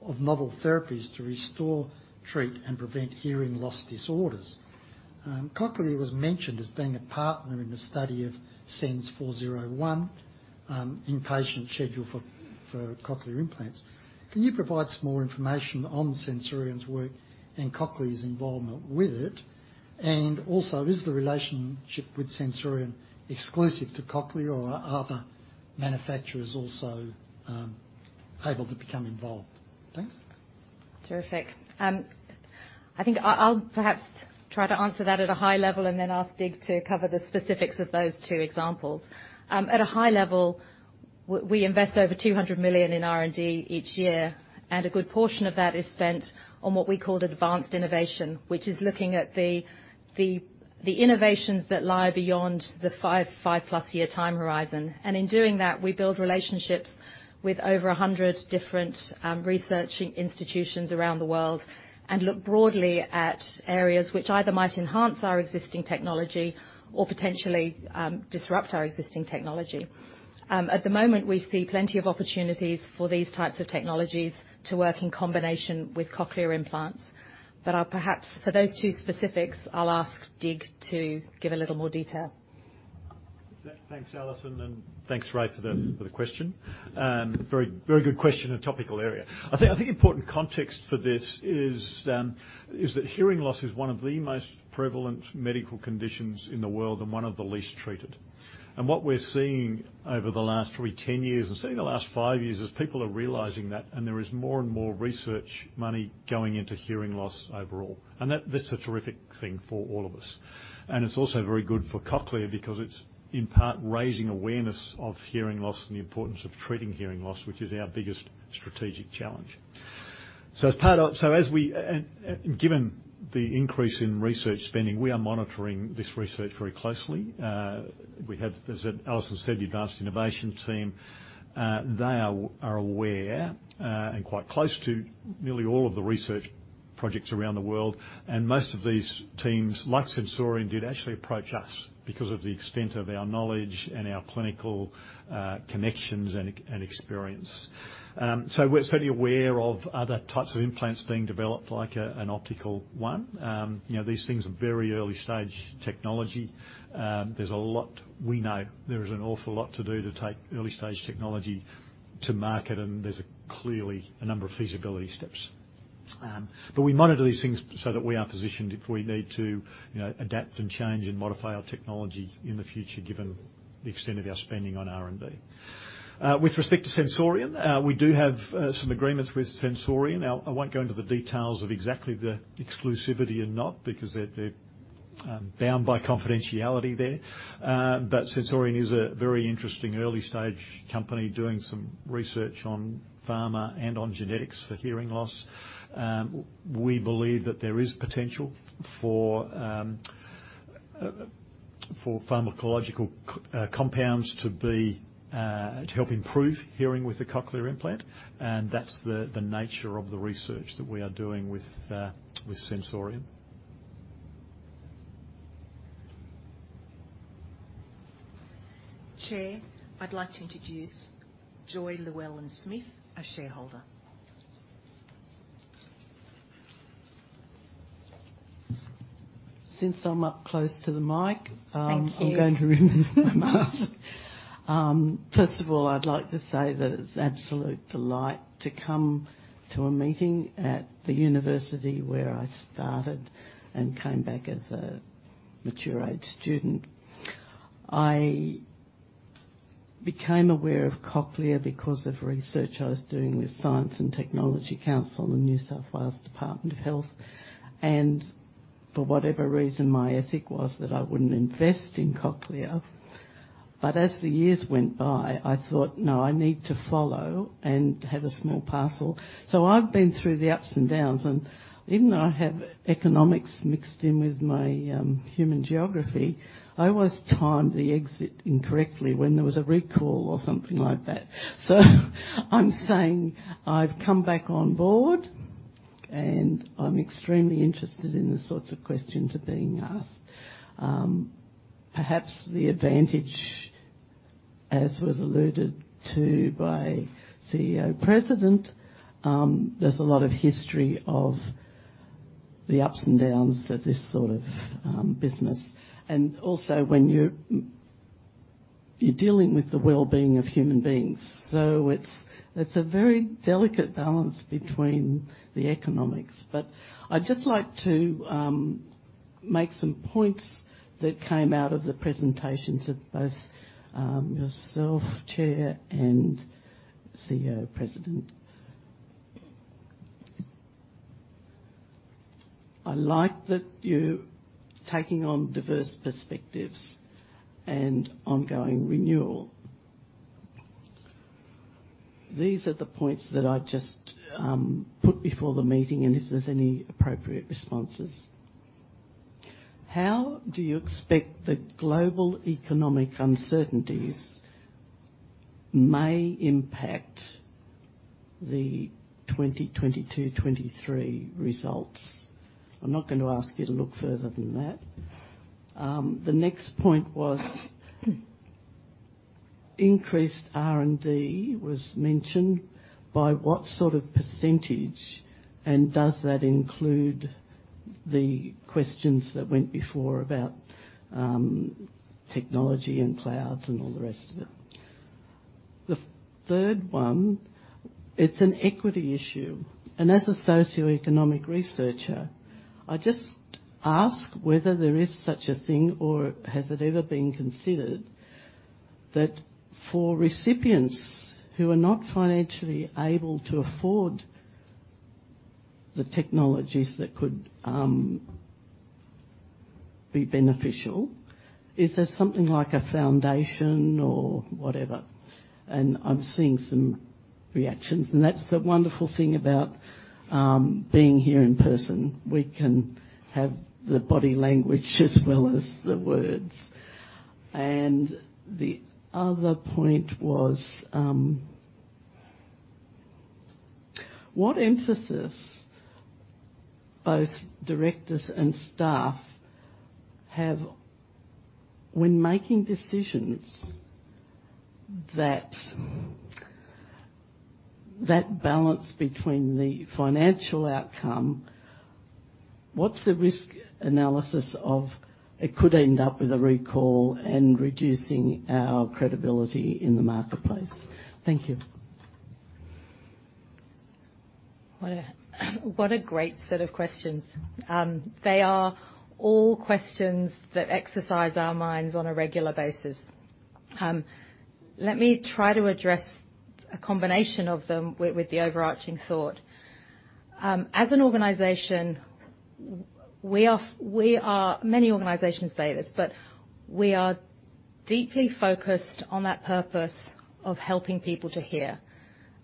F: of novel therapies to restore, treat, and prevent hearing loss disorders. Cochlear was mentioned as being a partner in the study of SENS-401 in patients scheduled for cochlear implants. Can you provide some more information on Sensorion's work and Cochlear's involvement with it? Also, is the relationship with Sensorion exclusive to Cochlear or are other manufacturers also able to become involved? Thanks.
A: Terrific. I think I'll perhaps try to answer that at a high level and then ask Dig to cover the specifics of those two examples. At a high level, we invest over 200 million in R&D each year, and a good portion of that is spent on what we call advanced innovation, which is looking at the innovations that lie beyond the five-plus-year time horizon. In doing that, we build relationships with over 100 different research institutions around the world and look broadly at areas which either might enhance our existing technology or potentially disrupt our existing technology. At the moment, we see plenty of opportunities for these types of technologies to work in combination with cochlear implants. I'll perhaps, for those two specifics, ask Dig to give a little more detail.
B: Thanks, Alison, and thanks, Ray, for the question. Very good question and topical area. I think important context for this is that hearing loss is one of the most prevalent medical conditions in the world and one of the least treated. What we're seeing over the last probably 10 years, and certainly the last five years, is people are realizing that, and there is more and more research money going into hearing loss overall. That's a terrific thing for all of us. It's also very good for Cochlear because it's, in part, raising awareness of hearing loss and the importance of treating hearing loss, which is our biggest strategic challenge. Given the increase in research spending, we are monitoring this research very closely. We have, as Alison said, the advanced innovation team. They are aware and quite close to nearly all of the research projects around the world. Most of these teams, like Sensorion, did actually approach us because of the extent of our knowledge and our clinical connections and experience. We're certainly aware of other types of implants being developed, like an optical one. You know, these things are very early stage technology. There's a lot we know. There is an awful lot to do to take early stage technology to market, and there's clearly a number of feasibility steps. We monitor these things so that we are positioned if we need to, you know, adapt and change and modify our technology in the future given the extent of our spending on R&D. With respect to Sensorion, we do have some agreements with Sensorion. Now, I won't go into the details of exactly the exclusivity and not because they're bound by confidentiality there. Sensorion is a very interesting early-stage company doing some research on pharma and on genetics for hearing loss. We believe that there is potential for pharmacological compounds to help improve hearing with the cochlear implant, and that's the nature of the research that we are doing with Sensorion.
C: Chair, I'd like to introduce Joy Llewellyn-Smith, a shareholder.
G: Since I'm up close to the mic.
A: Thank you.
G: I'm going to remove my mask. First of all, I'd like to say that it's an absolute delight to come to a meeting at the university where I started and came back as a mature age student. I became aware of Cochlear because of research I was doing with Science and Technology Council in the New South Wales Department of Health. For whatever reason, my ethic was that I wouldn't invest in Cochlear. As the years went by, I thought, "No, I need to follow and have a small parcel." I've been through the ups and downs, and even though I have economics mixed in with my human geography, I always timed the exit incorrectly when there was a recall or something like that. I'm saying I've come back on board, and I'm extremely interested in the sorts of questions being asked. Perhaps the advantage, as was alluded to by CEO and President, there's a lot of history of the ups and downs of this sort of business. Also when you're dealing with the well-being of human beings, it's a very delicate balance between the economics. I'd just like to make some points that came out of the presentations of both yourself, Chair and CEO and President. I like that you're taking on diverse perspectives and ongoing renewal. These are the points that I just put before the meeting, and if there's any appropriate responses. How do you expect the global economic uncertainties may impact the 2022-2023 results? I'm not gonna ask you to look further than that. The next point was increased R&D was mentioned by what sort of percentage, and does that include the questions that went before about, technology and clouds and all the rest of it? The third one, it's an equity issue. As a socioeconomic researcher, I just ask whether there is such a thing or has it ever been considered that for recipients who are not financially able to afford the technologies that could, be beneficial, is there something like a foundation or whatever? I'm seeing some reactions, and that's the wonderful thing about, being here in person. We can have the body language as well as the words. The other point was, what emphasis both directors and staff have when making decisions that balance between the financial outcome, what's the risk analysis of it could end up with a recall and reducing our credibility in the marketplace? Thank you.
A: What a great set of questions. They are all questions that exercise our minds on a regular basis. Let me try to address a combination of them with the overarching thought. As an organization, many organizations say this, but we are deeply focused on that purpose of helping people to hear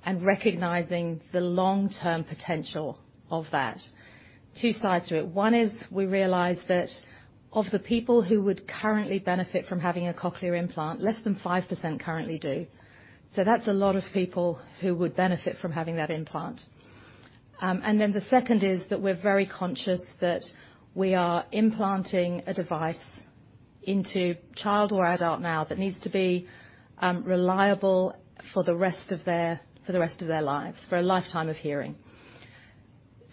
A: and recognizing the long-term potential of that. Two sides to it. One is we realize that of the people who would currently benefit from having a cochlear implant, less than 5% currently do. That's a lot of people who would benefit from having that implant. The second is that we're very conscious that we are implanting a device into child or adult now that needs to be reliable for the rest of their lives, for a lifetime of hearing.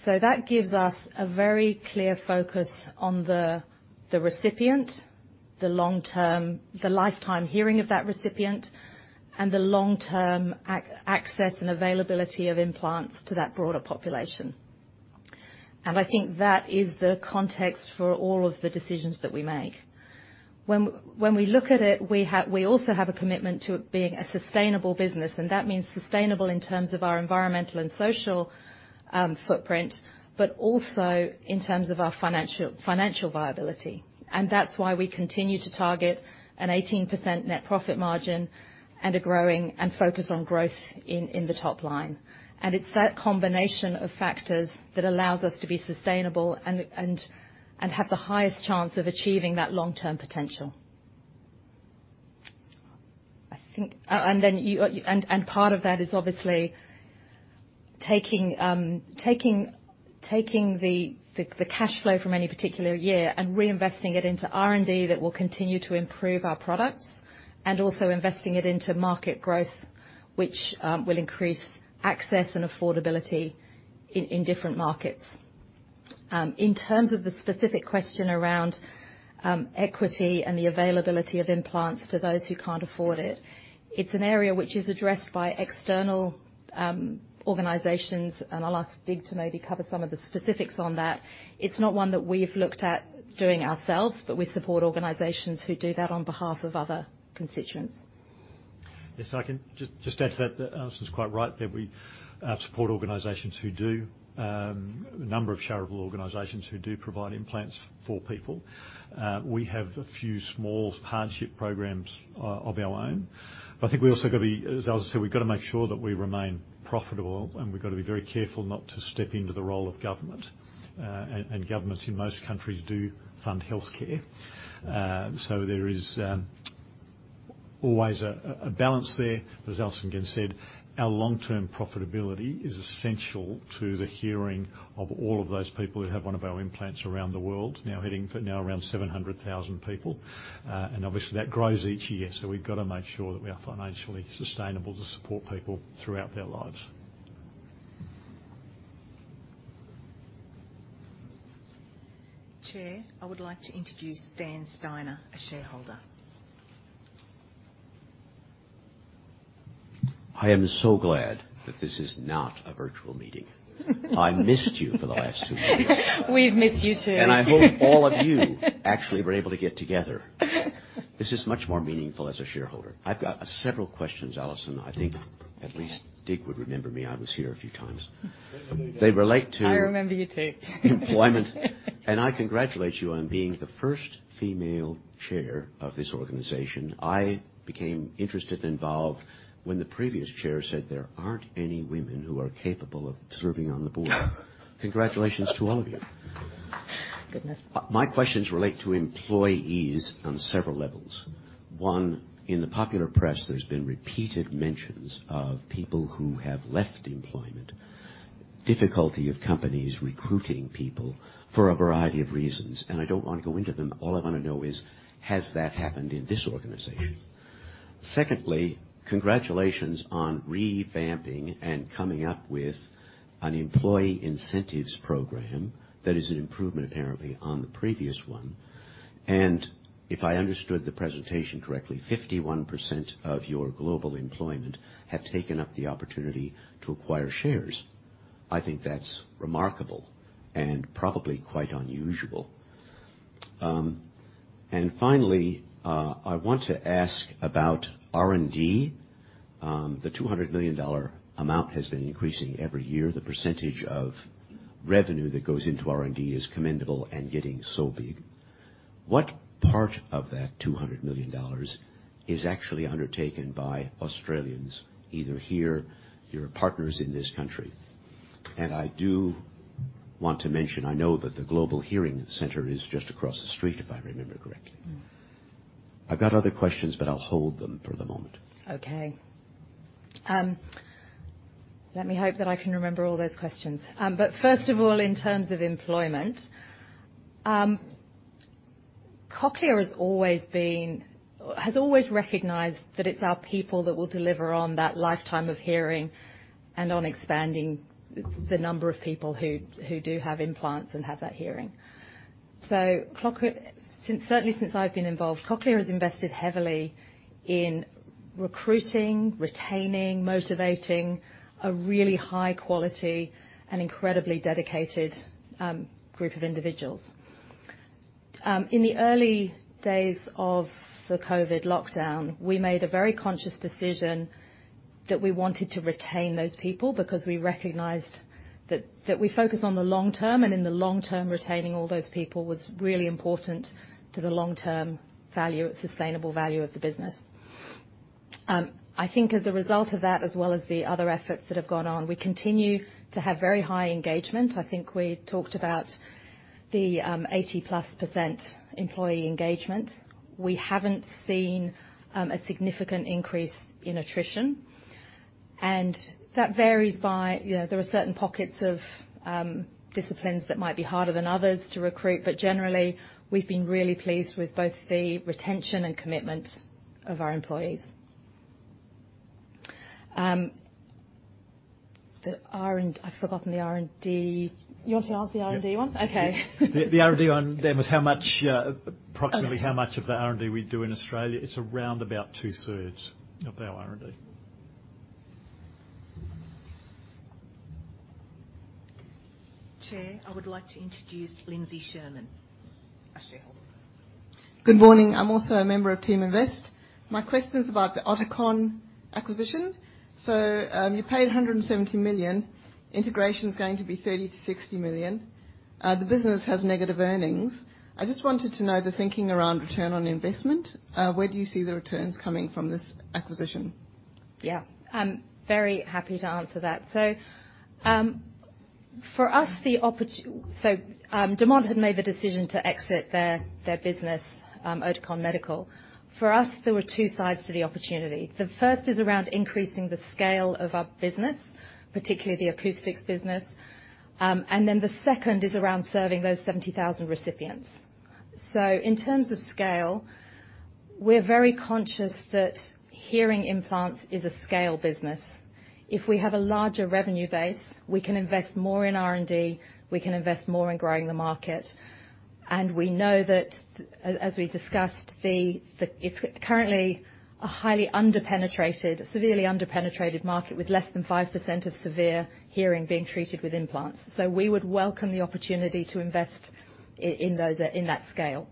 A: That gives us a very clear focus on the recipient, the long term the lifetime hearing of that recipient, and the long-term access and availability of implants to that broader population. I think that is the context for all of the decisions that we make. When we look at it, we also have a commitment to being a sustainable business, and that means sustainable in terms of our environmental and social footprint, but also in terms of our financial viability. That's why we continue to target an 18% net profit margin and a growing focus on growth in the top line. It's that combination of factors that allows us to be sustainable and have the highest chance of achieving that long-term potential. Part of that is obviously taking the cash flow from any particular year and reinvesting it into R&D that will continue to improve our products, and also investing it into market growth, which will increase access and affordability in different markets. In terms of the specific question around equity and the availability of implants to those who can't afford it's an area which is addressed by external organizations, and I'll ask Dig to maybe cover some of the specifics on that. It's not one that we've looked at doing ourselves, but we support organizations who do that on behalf of other constituents.
B: Yes, I can just add to that Alison's quite right that we support organizations who do a number of charitable organizations who do provide implants for people. We have a few small hardship programs of our own, but I think we also gotta be, as Alison said, we've got to make sure that we remain profitable, and we've got to be very careful not to step into the role of government. Governments in most countries do fund health care. There is always a balance there. As Alison again said, our long-term profitability is essential to the hearing of all of those people who have one of our implants around the world, now heading for now around 700,000 people. Obviously that grows each year, so we've got to make sure that we are financially sustainable to support people throughout their lives.
C: Chair, I would like to introduce Dan Steiner, a shareholder.
H: I am so glad that this is not a virtual meeting. I missed you for the last two meetings.
A: We've missed you, too.
H: I hope all of you actually were able to get together. This is much more meaningful as a shareholder. I've got several questions, Alison. I think at least Dig would remember me. I was here a few times.
B: Certainly.
H: They relate to.
A: I remember you, too.
H: I congratulate you on being the first female chair of this organization. I became interested and involved when the previous chair said there aren't any women who are capable of serving on the board.
B: Yeah.
H: Congratulations to all of you.
A: Goodness.
H: My questions relate to employees on several levels. One, in the popular press, there's been repeated mentions of people who have left employment, difficulty of companies recruiting people for a variety of reasons, and I don't want to go into them. All I wanna know is, has that happened in this organization? Secondly, congratulations on revamping and coming up with an employee incentives program that is an improvement apparently on the previous one. If I understood the presentation correctly, 51% of your global employment have taken up the opportunity to acquire shares. I think that's remarkable and probably quite unusual. Finally, I want to ask about R&D. The 200 million dollar amount has been increasing every year. The percentage of revenue that goes into R&D is commendable and getting so big. What part of that 200 million dollars is actually undertaken by Australians, either here, your partners in this country? I do want to mention, I know that the Graeme Clark Centre is just across the street, if I remember correctly.
A: Mm.
H: I've got other questions, but I'll hold them for the moment.
A: Okay. Let me hope that I can remember all those questions. First of all, in terms of employment, Cochlear has always recognized that it's our people that will deliver on that lifetime of hearing and on expanding the number of people who do have implants and have that hearing. Since, certainly since I've been involved, Cochlear has invested heavily in recruiting, retaining, motivating a really high quality and incredibly dedicated group of individuals. In the early days of the COVID lockdown, we made a very conscious decision that we wanted to retain those people because we recognized that we focus on the long term, and in the long term, retaining all those people was really important to the long-term value, sustainable value of the business. I think as a result of that, as well as the other efforts that have gone on, we continue to have very high engagement. I think we talked about the 80%+ employee engagement. We haven't seen a significant increase in attrition, and that varies by, you know, there are certain pockets of disciplines that might be harder than others to recruit, but generally, we've been really pleased with both the retention and commitment of our employees. The R&D. I've forgotten the R&D. You want to answer the R&D one?
B: Yeah.
A: Okay.
B: The R&D one then was how much, approximately?
A: Okay
B: How much of the R&D we do in Australia. It's around about two-thirds of our R&D.
C: Chair, I would like to introduce Lindsay Sherman, a shareholder.
I: Good morning. I'm also a member of Teaminvest. My question's about the Oticon Medical acquisition. You paid 170 million. Integration is going to be 30-60 million. The business has negative earnings. I just wanted to know the thinking around return on investment. Where do you see the returns coming from this acquisition?
A: Yeah. I'm very happy to answer that. For us, Demant had made the decision to exit their business, Oticon Medical. For us, there were two sides to the opportunity. The first is around increasing the scale of our business, particularly the acoustics business. The second is around serving those 70,000 recipients. In terms of scale, we're very conscious that hearing implants is a scale business. If we have a larger revenue base, we can invest more in R&D, we can invest more in growing the market. We know that as we discussed, it's currently a highly under-penetrated, severely under-penetrated market with less than 5% of severe hearing being treated with implants. We would welcome the opportunity to invest in that scale.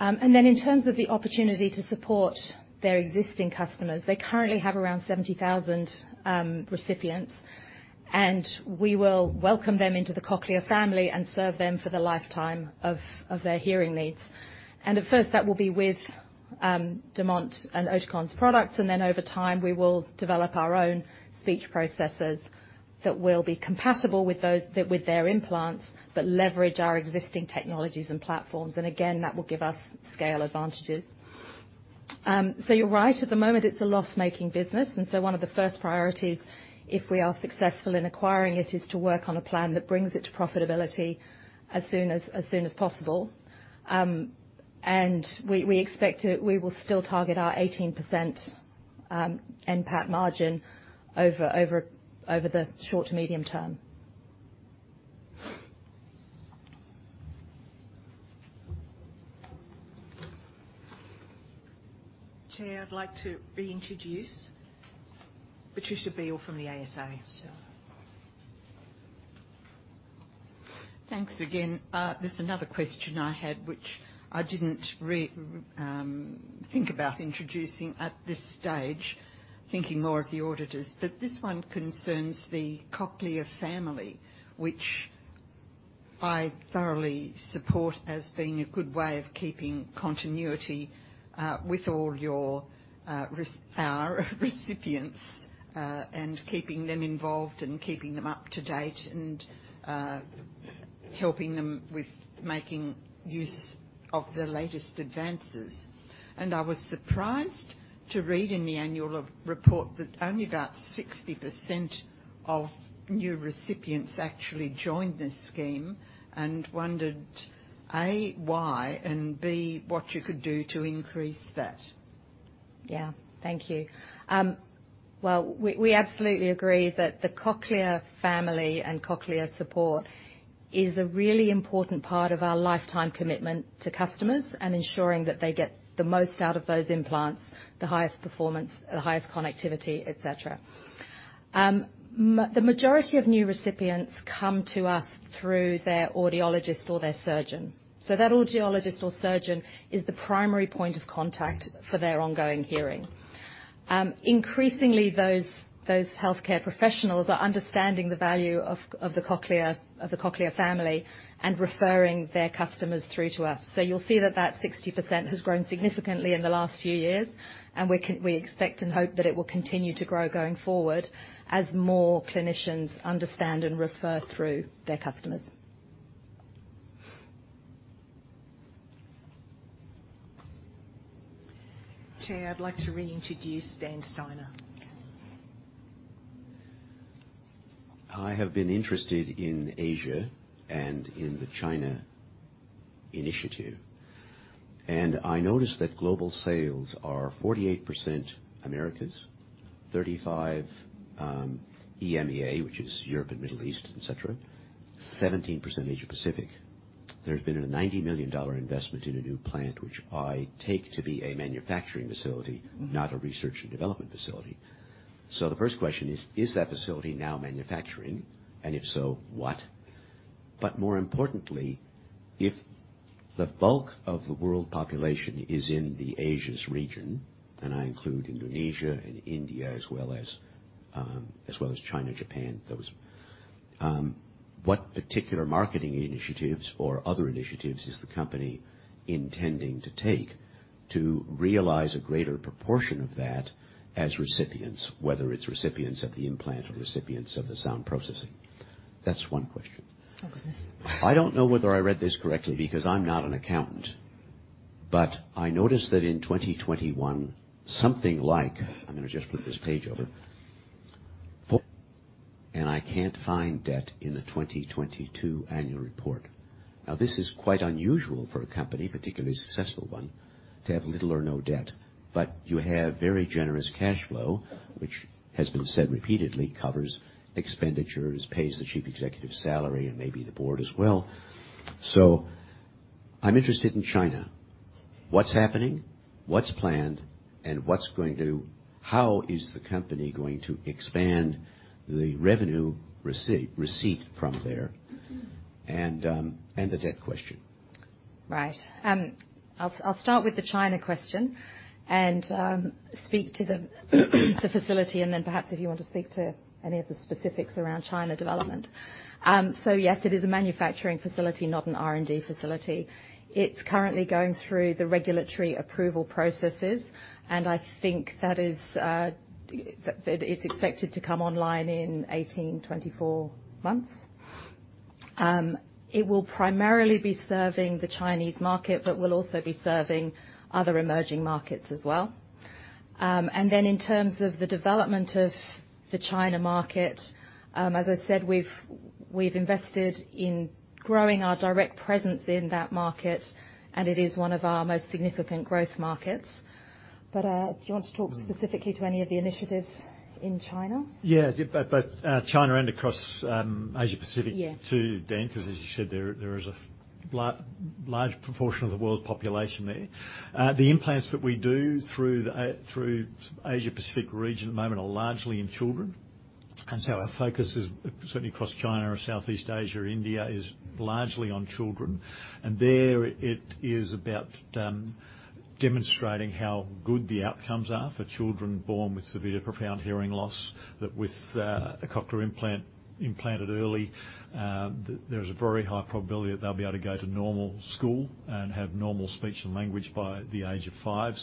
A: In terms of the opportunity to support their existing customers, they currently have around 70,000 recipients, and we will welcome them into the Cochlear family and serve them for the lifetime of their hearing needs. At first, that will be with Demant and Oticon's products, and then over time we will develop our own speech processors that will be compatible with those, with their implants, but leverage our existing technologies and platforms. Again, that will give us scale advantages. You're right. At the moment it's a loss-making business, and one of the first priorities, if we are successful in acquiring it, is to work on a plan that brings it to profitability as soon as possible. We expect to, we will still target our 18% NPAT margin over the short to medium term.
C: Chair, I'd like to re-introduce Patricia Beal from the ASA.
A: Sure.
D: Thanks again. There's another question I had, which I didn't think about introducing at this stage, thinking more of the auditors. But this one concerns the Cochlear family, which I thoroughly support as being a good way of keeping continuity with all your recipients and keeping them involved and keeping them up to date and helping them with making use of the latest advances. I was surprised to read in the annual report that only about 60% of new recipients actually joined this scheme and wondered, A, why? And, B, what you could do to increase that.
A: Yeah. Thank you. Well, we absolutely agree that the Cochlear family and Cochlear support is a really important part of our lifetime commitment to customers and ensuring that they get the most out of those implants, the highest performance, the highest connectivity, et cetera. The majority of new recipients come to us through their audiologist or their surgeon. That audiologist or surgeon is the primary point of contact for their ongoing hearing. Increasingly those healthcare professionals are understanding the value of the Cochlear family and referring their customers through to us. You'll see that 60% has grown significantly in the last few years, and we expect and hope that it will continue to grow going forward as more clinicians understand and refer through their customers.
C: Chair, I'd like to reintroduce Dan Steiner.
B: Yes.
H: I have been interested in Asia and in the China initiative, and I notice that global sales are 48% Americas, 35% EMEA, which is Europe and Middle East, et cetera. 17% Asia Pacific. There's been a 90 million dollar investment in a new plant, which I take to be a manufacturing facility not a research and development facility. The first question is: Is that facility now manufacturing? And if so, what? More importantly, if the bulk of the world population is in the Asian region, and I include Indonesia and India as well as China, Japan, those, what particular marketing initiatives or other initiatives is the company intending to take to realize a greater proportion of that as recipients, whether it's recipients of the implant or recipients of the sound processing? That's one question.
A: Oh, goodness.
H: I don't know whether I read this correctly because I'm not an accountant, but I notice that in 2021, something like. I can't find debt in the 2022 annual report. This is quite unusual for a company, particularly a successful one, to have little or no debt, but you have very generous cash flow, which has been said repeatedly, covers expenditures, pays the chief executive salary, and maybe the board as well. I'm interested in China, what's happening, what's planned, and what's going to. How is the company going to expand the revenue receipt from there? The debt question.
A: Right. I'll start with the China question and speak to the facility, and then perhaps if you want to speak to any of the specifics around China development. So yes, it is a manufacturing facility, not an R&D facility. It's currently going through the regulatory approval processes, and I think that it is expected to come online in 18-24 months. It will primarily be serving the Chinese market, but will also be serving other emerging markets as well. And then in terms of the development of the China market, as I said, we've invested in growing our direct presence in that market, and it is one of our most significant growth markets. Do you want to talk specifically to any of the initiatives in China?
B: Yeah, China and across Asia-Pacific-
A: Yeah
B: too, Dan, 'cause as you said, there is a large proportion of the world's population there. The implants that we do through the Asia-Pacific region at the moment are largely in children. Our focus is, certainly across China or Southeast Asia or India, largely on children. There it is about demonstrating how good the outcomes are for children born with severe to profound hearing loss. That with a Cochlear implant implanted early, there's a very high probability that they'll be able to go to normal school and have normal speech and language by the age of five.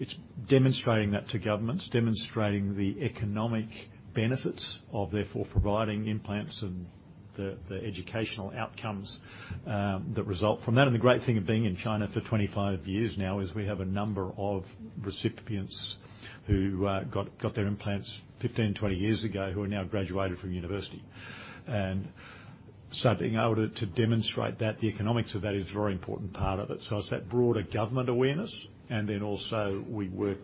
B: It's demonstrating that to governments, demonstrating the economic benefits of therefore providing implants and the educational outcomes that result from that. The great thing of being in China for 25 years now is we have a number of recipients who got their implants 15, 20 years ago who are now graduated from university. Being able to demonstrate that, the economics of that is a very important part of it. It's that broader government awareness. Also we work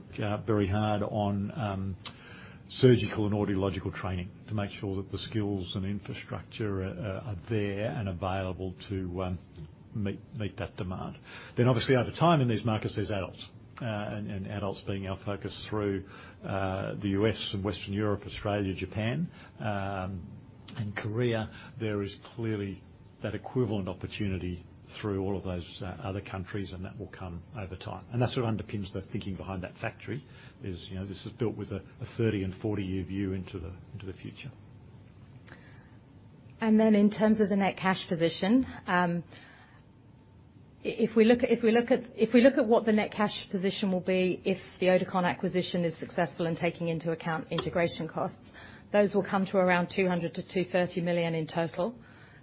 B: very hard on surgical and audiological training to make sure that the skills and infrastructure are there and available to meet that demand. Obviously, over time in these markets, there's adults and adults being our focus through the U.S. and Western Europe, Australia, Japan, and Korea. There is clearly that equivalent opportunity through all of those other countries, and that will come over time. That's what underpins the thinking behind that factory is, you know, this is built with a 30- and 40-year view into the future.
A: In terms of the net cash position, if we look at what the net cash position will be if the Oticon acquisition is successful in taking into account integration costs, those will come to around 200 million-230 million in total,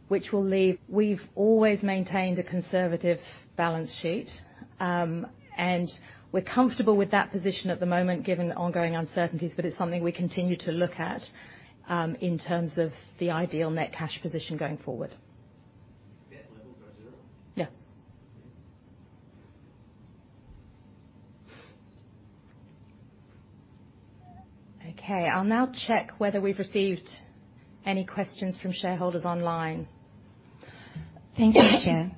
A: which will leave. We've always maintained a conservative balance sheet. We're comfortable with that position at the moment, given the ongoing uncertainties, but it's something we continue to look at in terms of the ideal net cash position going forward.
H: Debt levels are zero?
A: Yeah. Okay, I'll now check whether we've received any questions from shareholders online.
C: Thank you, Chair.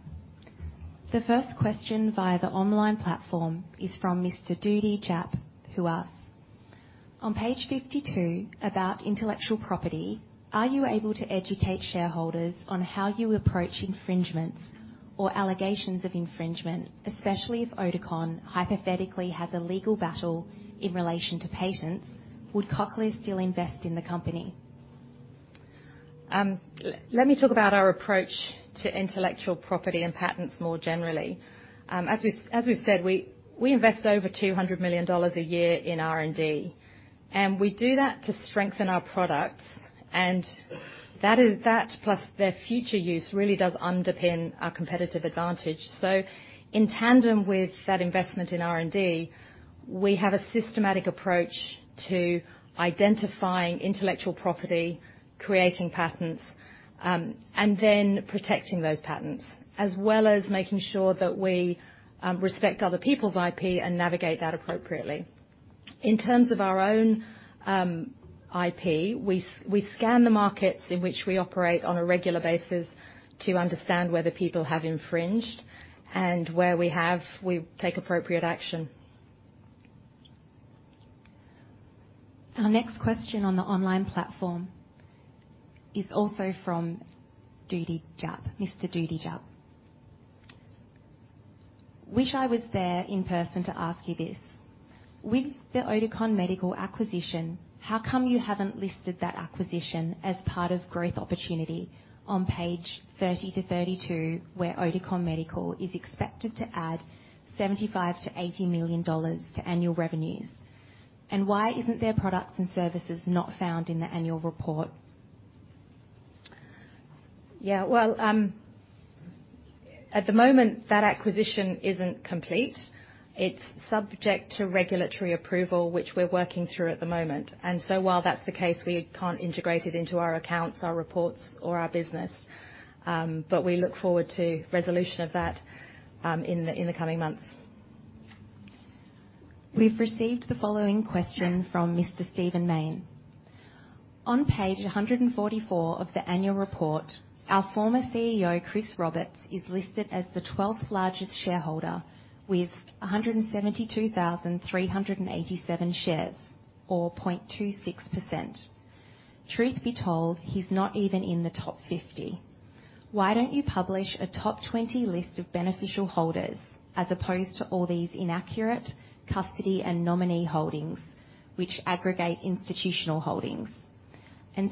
C: The first question via the online platform is from Mr. Doody Japp, who asks: On page 52, about intellectual property, are you able to educate shareholders on how you approach infringements or allegations of infringement, especially if Oticon hypothetically has a legal battle in relation to patents, would Cochlear still invest in the company?
A: Let me talk about our approach to intellectual property and patents more generally. As we've said, we invest over 200 million dollars a year in R&D, and we do that to strengthen our products, and that plus their future use really does underpin our competitive advantage. In tandem with that investment in R&D, we have a systematic approach to identifying intellectual property, creating patents, and then protecting those patents, as well as making sure that we respect other people's IP and navigate that appropriately. In terms of our own IP, we scan the markets in which we operate on a regular basis to understand whether people have infringed, and where we have, we take appropriate action.
C: Our next question on the online platform is also from Doody Japp. Mr. Doody Japp: Wish I was there in person to ask you this. With the Oticon Medical acquisition, how come you haven't listed that acquisition as part of growth opportunity on page 30-32, where Oticon Medical is expected to add 75 million-80 million dollars to annual revenues? And why isn't their products and services not found in the annual report?
A: Well, at the moment, that acquisition isn't complete. It's subject to regulatory approval, which we're working through at the moment. While that's the case, we can't integrate it into our accounts, our reports or our business. We look forward to resolution of that in the coming months.
C: We've received the following question from Mr. Steven Mayne. On page 144 of the annual report, our former CEO, Chris Roberts, is listed as the 12th largest shareholder with 172,387 shares, or 0.26%. Truth be told, he's not even in the top 50. Why don't you publish a top 20 list of beneficial holders as opposed to all these inaccurate custody and nominee holdings which aggregate institutional holdings?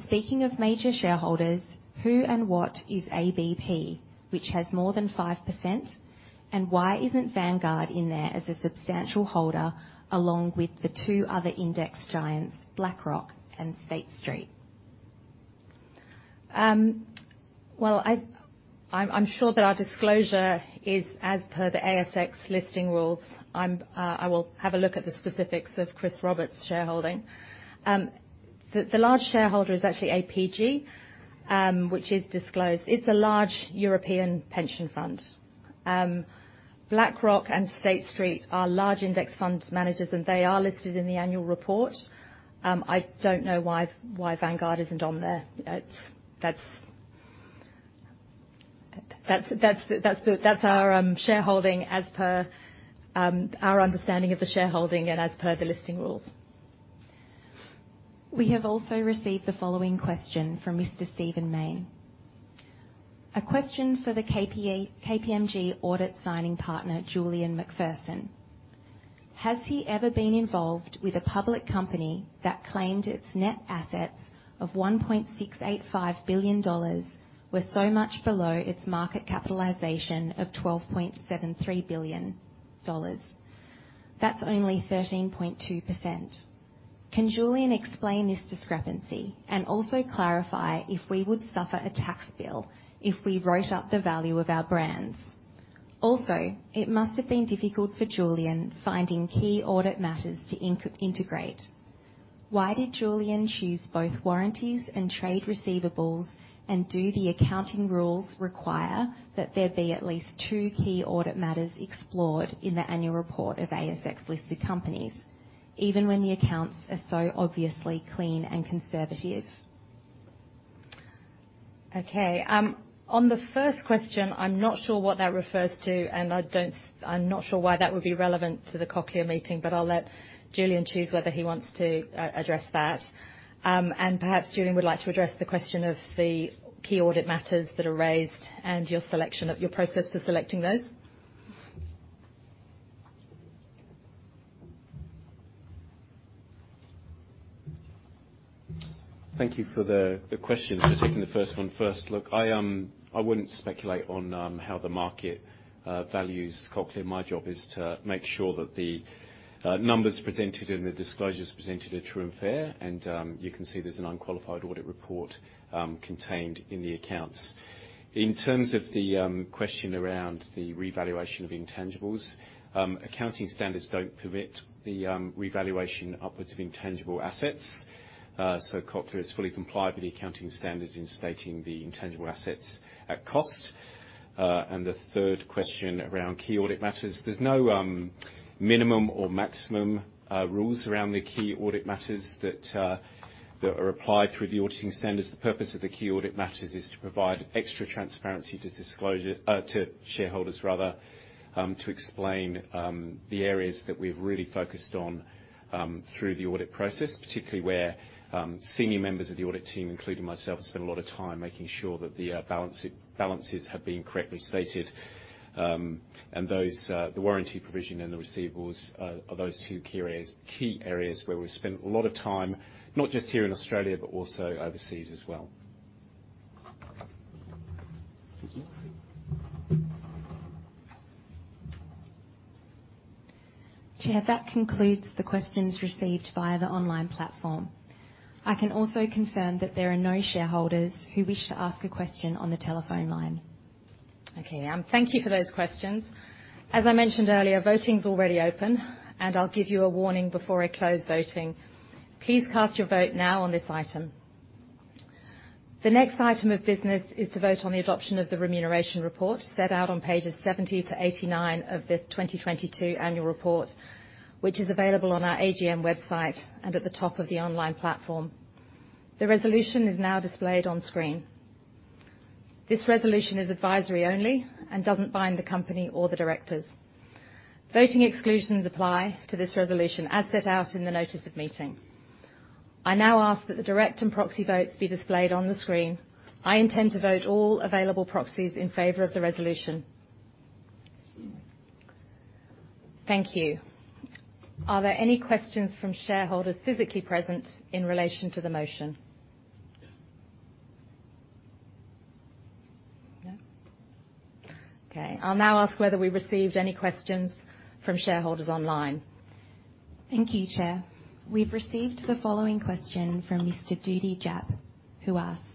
C: Speaking of major shareholders, who and what is APG, which has more than 5%? Why isn't Vanguard in there as a substantial holder, along with the two other index giants, BlackRock and State Street?
A: I'm sure that our disclosure is as per the ASX listing rules. I will have a look at the specifics of Chris Roberts' shareholding. The large shareholder is actually APG, which is disclosed. It's a large European pension fund. BlackRock and State Street are large index funds managers, and they are listed in the annual report. I don't know why Vanguard isn't on there. That's our shareholding as per our understanding of the shareholding and as per the listing rules.
C: We have also received the following question from Mr. Steven Mayne. A question for the KPMG audit signing partner, Julian McPherson. Has he ever been involved with a public company that claimed its net assets of AUD 1.685 billion were so much below its market capitalization of AUD 12.73 billion? That's only 13.2%. Can Julian explain this discrepancy and also clarify if we would suffer a tax bill if we wrote up the value of our brands? Also, it must have been difficult for Julian finding key audit matters to integrate. Why did Julian choose both warranties and trade receivables? And do the accounting rules require that there be at least two key audit matters explored in the annual report of ASX-listed companies, even when the accounts are so obviously clean and conservative?
A: Okay. On the first question, I'm not sure what that refers to, and I'm not sure why that would be relevant to the Cochlear meeting, but I'll let Julian choose whether he wants to address that. And perhaps Julian would like to address the question of the key audit matters that are raised and your selection of your process for selecting those.
E: Thank you for the questions. Just taking the first one first. Look, I wouldn't speculate on how the market values Cochlear. My job is to make sure that the numbers presented and the disclosures presented are true and fair. You can see there's an unqualified audit report contained in the accounts. In terms of the question around the revaluation of intangibles, accounting standards don't permit the revaluation upwards of intangible assets. Cochlear has fully complied with the accounting standards in stating the intangible assets at cost. The third question around key audit matters, there's no minimum or maximum rules around the key audit matters that are applied through the auditing standards. The purpose of the key audit matters is to provide extra transparency to disclosure to shareholders rather to explain the areas that we've really focused on through the audit process. Particularly where senior members of the audit team, including myself, have spent a lot of time making sure that the balances have been correctly stated. The warranty provision and the receivables are those two key areas where we've spent a lot of time, not just here in Australia, but also overseas as well.
C: Chair, that concludes the questions received via the online platform. I can also confirm that there are no shareholders who wish to ask a question on the telephone line.
A: Okay. Thank you for those questions. As I mentioned earlier, voting's already open. I'll give you a warning before I close voting. Please cast your vote now on this item. The next item of business is to vote on the adoption of the remuneration report, set out on pages 70 to 89 of the 2022 annual report, which is available on our AGM website and at the top of the online platform. The resolution is now displayed on screen. This resolution is advisory only and doesn't bind the company or the directors. Voting exclusions apply to this resolution, as set out in the notice of meeting. I now ask that the direct and proxy votes be displayed on the screen. I intend to vote all available proxies in favor of the resolution. Thank you. Are there any questions from shareholders physically present in relation to the motion? I'll now ask whether we received any questions from shareholders online.
C: Thank you, Chair. We've received the following question from Mr. Doody Japp, who asks,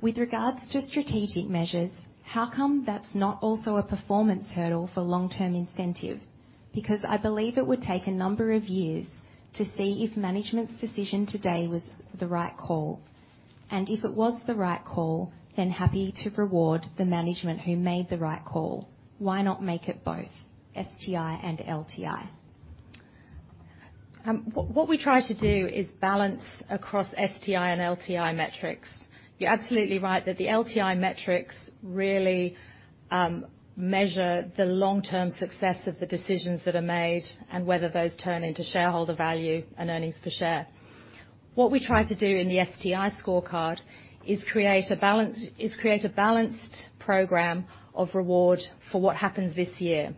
C: "With regards to strategic measures, how come that's not also a performance hurdle for long-term incentive? Because I believe it would take a number of years to see if management's decision today was the right call, and if it was the right call, then happy to reward the management who made the right call. Why not make it both STI and LTI?
A: What we try to do is balance across STI and LTI metrics. You're absolutely right that the LTI metrics really measure the long-term success of the decisions that are made and whether those turn into shareholder value and earnings per share. What we try to do in the STI scorecard is create a balanced program of reward for what happens this year.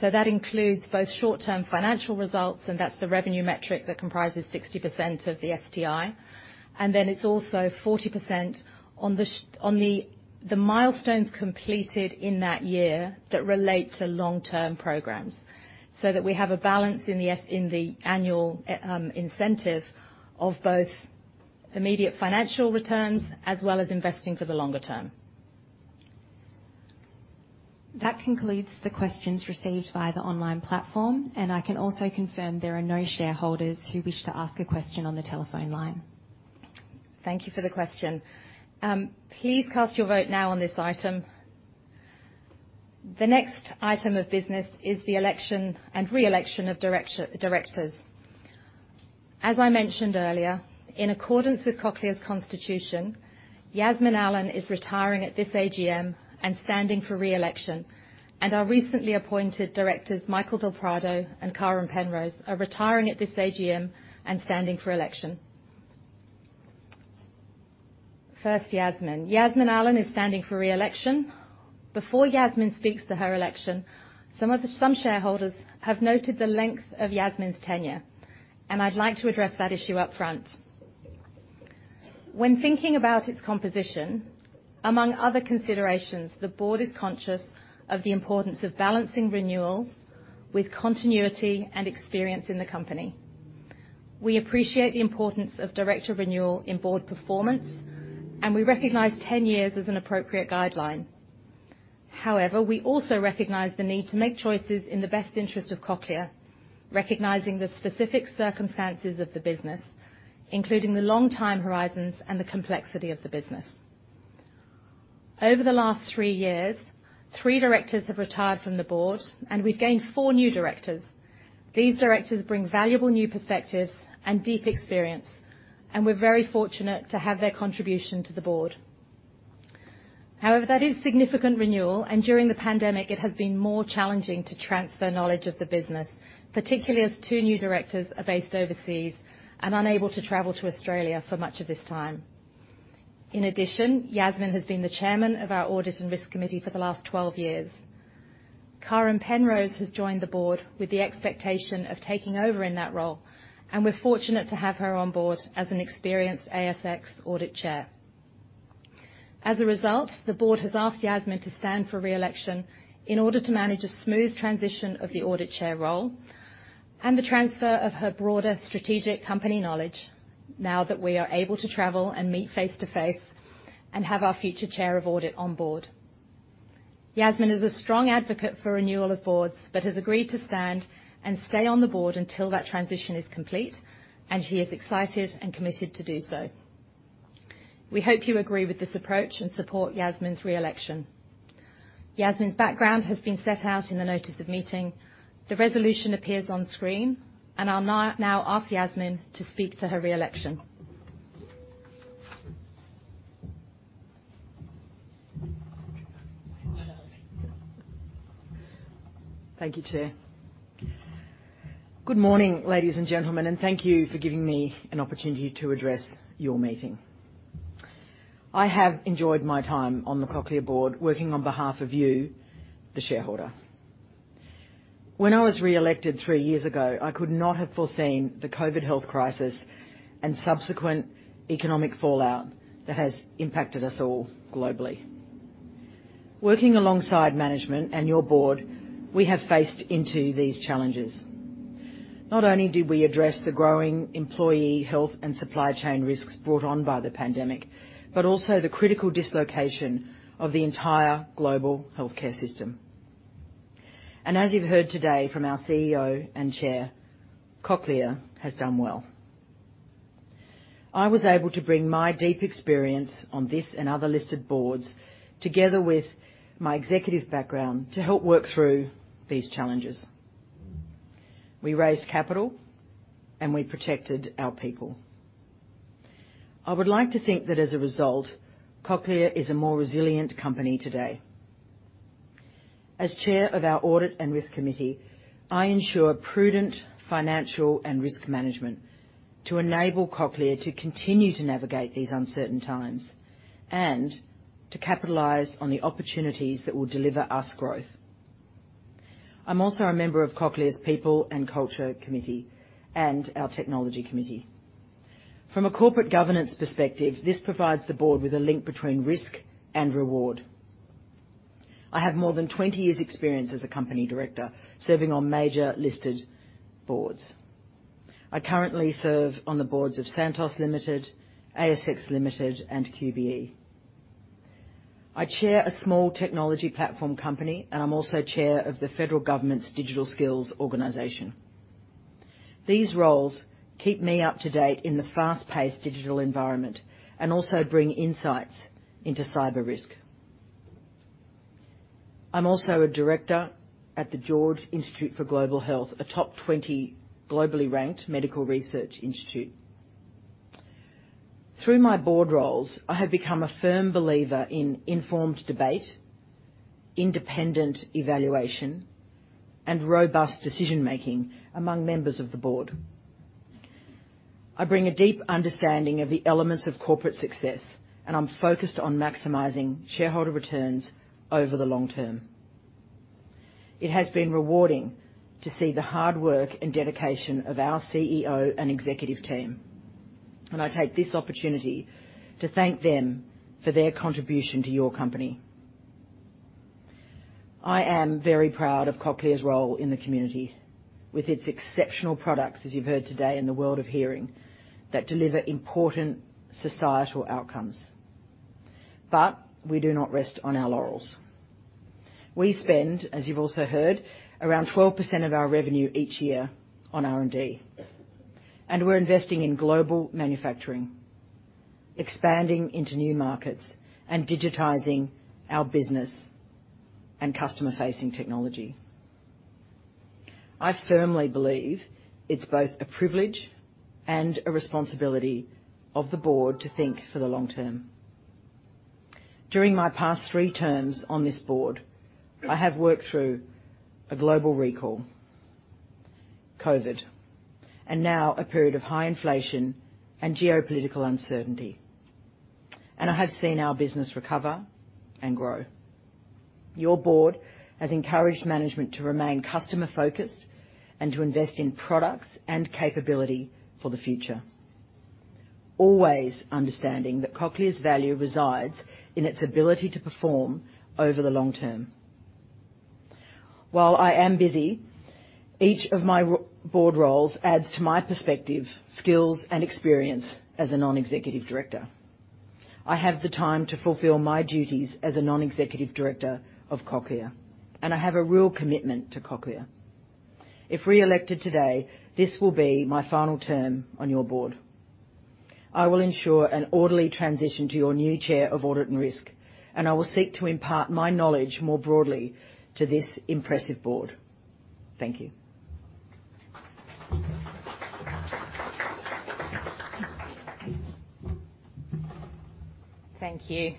A: That includes both short-term financial results, and that's the revenue metric that comprises 60% of the STI, and then it's also 40% on the milestones completed in that year that relate to long-term programs, so that we have a balance in the annual incentive of both immediate financial returns as well as investing for the longer term.
C: That concludes the questions received via the online platform, and I can also confirm there are no shareholders who wish to ask a question on the telephone line.
A: Thank you for the question. Please cast your vote now on this item. The next item of business is the election and re-election of directors. As I mentioned earlier, in accordance with Cochlear's Constitution, Yasmin Allen is retiring at this AGM and standing for re-election. Our recently appointed directors, Michael del Prado and Karen Penrose, are retiring at this AGM and standing for election. First, Yasmin. Yasmin Allen is standing for re-election. Before Yasmin speaks to her election, some shareholders have noted the length of Yasmin's tenure, and I'd like to address that issue up front. When thinking about its composition, among other considerations, the board is conscious of the importance of balancing renewal with continuity and experience in the company. We appreciate the importance of director renewal in board performance, and we recognize ten years as an appropriate guideline. However, we also recognize the need to make choices in the best interest of Cochlear, recognizing the specific circumstances of the business, including the long time horizons and the complexity of the business. Over the last three years, three directors have retired from the board, and we've gained four new directors. These directors bring valuable new perspectives and deep experience, and we're very fortunate to have their contribution to the board. However, that is significant renewal, and during the pandemic it has been more challenging to transfer knowledge of the business, particularly as two new directors are based overseas and unable to travel to Australia for much of this time. In addition, Yasmin has been the chairman of our Audit and Risk Committee for the last 12 years. Karen Penrose has joined the board with the expectation of taking over in that role, and we're fortunate to have her on board as an experienced ASX audit chair. As a result, the board has asked Yasmin to stand for re-election in order to manage a smooth transition of the audit chair role and the transfer of her broader strategic company knowledge now that we are able to travel and meet face-to-face and have our future chair of audit on board. Yasmin is a strong advocate for renewal of boards, but has agreed to stand and stay on the board until that transition is complete, and she is excited and committed to do so. We hope you agree with this approach and support Yasmin's re-election. Yasmin's background has been set out in the notice of meeting. The resolution appears on screen, and I'll now ask Yasmin to speak to her re-election.
J: Thank you, Chair. Good morning, ladies and gentlemen, and thank you for giving me an opportunity to address your meeting. I have enjoyed my time on the Cochlear board working on behalf of you, the shareholder. When I was re-elected three years ago, I could not have foreseen the COVID health crisis and subsequent economic fallout that has impacted us all globally. Working alongside management and your board, we have faced into these challenges. Not only did we address the growing employee health and supply chain risks brought on by the pandemic, but also the critical dislocation of the entire global healthcare system. As you've heard today from our CEO and Chair, Cochlear has done well. I was able to bring my deep experience on this and other listed boards together with my executive background to help work through these challenges. We raised capital and we protected our people. I would like to think that as a result, Cochlear is a more resilient company today. As chair of our Audit and Risk Committee, I ensure prudent financial and risk management to enable Cochlear to continue to navigate these uncertain times and to capitalize on the opportunities that will deliver us growth. I'm also a member of Cochlear's People and Culture Committee and our Technology Committee. From a corporate governance perspective, this provides the board with a link between risk and reward. I have more than 20 years' experience as a company director, serving on major listed boards. I currently serve on the boards of Santos Limited, ASX Limited, and QBE. I chair a small technology platform company, and I'm also chair of the federal government's Digital Skills Organisation. These roles keep me up to date in the fast-paced digital environment and also bring insights into cyber risk. I'm also a director at The George Institute for Global Health, a top 20 globally ranked medical research institute. Through my board roles, I have become a firm believer in informed debate, independent evaluation, and robust decision-making among members of the board. I bring a deep understanding of the elements of corporate success, and I'm focused on maximizing shareholder returns over the long term. It has been rewarding to see the hard work and dedication of our CEO and executive team, and I take this opportunity to thank them for their contribution to your company. I am very proud of Cochlear's role in the community with its exceptional products, as you've heard today, in the world of hearing that deliver important societal outcomes. We do not rest on our laurels. We spend, as you've also heard, around 12% of our revenue each year on R&D, and we're investing in global manufacturing, expanding into new markets, and digitizing our business and customer-facing technology. I firmly believe it's both a privilege and a responsibility of the board to think for the long term. During my past 3 terms on this board, I have worked through a global recall, COVID, and now a period of high inflation and geopolitical uncertainty, and I have seen our business recover and grow. Your board has encouraged management to remain customer-focused and to invest in products and capability for the future, always understanding that Cochlear's value resides in its ability to perform over the long term. While I am busy, each of my board roles adds to my perspective, skills, and experience as a non-executive director. I have the time to fulfill my duties as a non-executive director of Cochlear, and I have a real commitment to Cochlear. If reelected today, this will be my final term on your board. I will ensure an orderly transition to your new chair of audit and risk, and I will seek to impart my knowledge more broadly to this impressive board. Thank you.
A: Thank you.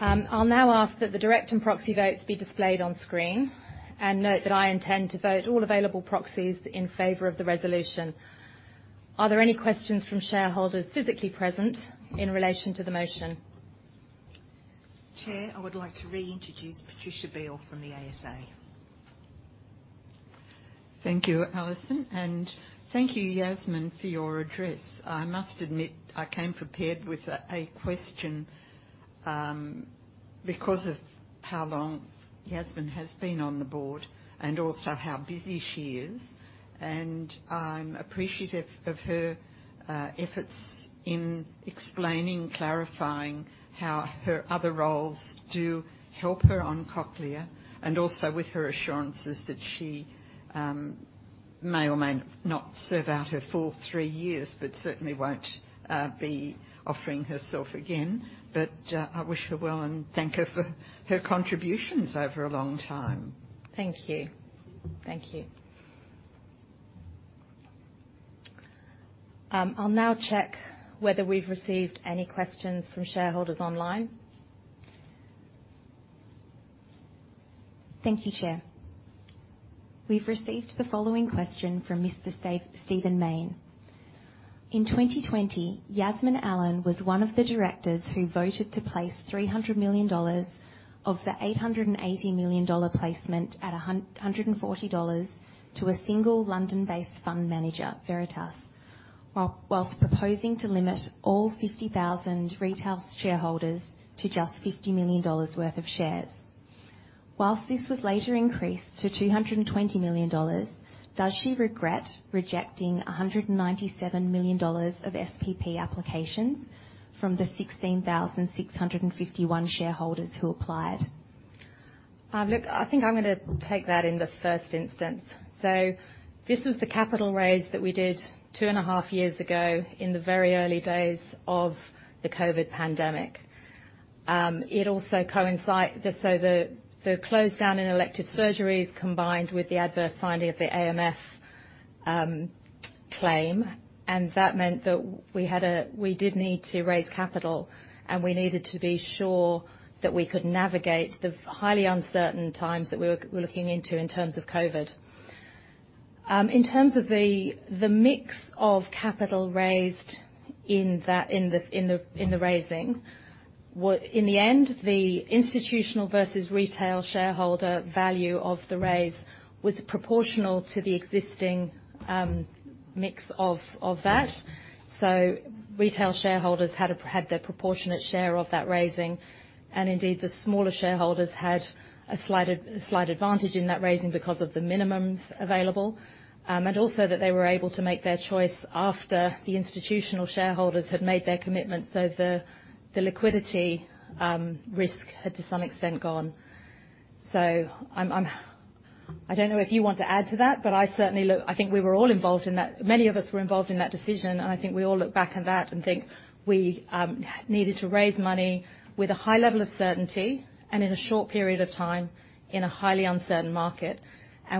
A: I'll now ask that the direct and proxy votes be displayed on screen and note that I intend to vote all available proxies in favor of the resolution. Are there any questions from shareholders physically present in relation to the motion?
C: Chair, I would like to reintroduce Patricia Beal from the ASA.
D: Thank you, Alison, and thank you, Yasmin, for your address. I must admit I came prepared with a question, because of how long Yasmin has been on the board and also how busy she is, and I'm appreciative of her efforts in explaining, clarifying how her other roles do help her on Cochlear and also with her assurances that she may or may not serve out her full three years, but certainly won't be offering herself again. I wish her well and thank her for her contributions over a long time.
A: Thank you. I'll now check whether we've received any questions from shareholders online.
C: Thank you, Chair. We've received the following question from Mr. Steven Mayne. In 2020, Yasmin Allen was one of the directors who voted to place 300 million dollars of the 880 million dollar placement at 140 dollars to a single London-based fund manager, Veritas, while proposing to limit all 50,000 retail shareholders to just 50 million dollars worth of shares. While this was later increased to 220 million dollars, does she regret rejecting 197 million dollars of SPP applications from the 16,651 shareholders who applied?
A: Look, I think I'm gonna take that in the first instance. This was the capital raise that we did 2.5 years ago in the very early days of the COVID pandemic. It also coincided. The close down in elective surgeries combined with the adverse finding of the ACCC claim, and that meant that we did need to raise capital, and we needed to be sure that we could navigate the highly uncertain times that we're looking into in terms of COVID. In terms of the mix of capital raised in the raising, in the end, the institutional versus retail shareholder value of the raise was proportional to the existing mix of that. Retail shareholders had their proportionate share of that raising. Indeed, the smaller shareholders had a slight advantage in that raising because of the minimums available. Also, they were able to make their choice after the institutional shareholders had made their commitment. The liquidity risk had, to some extent, gone. I don't know if you want to add to that, but I think we were all involved in that. Many of us were involved in that decision, and I think we all look back on that and think we needed to raise money with a high level of certainty and in a short period of time in a highly uncertain market.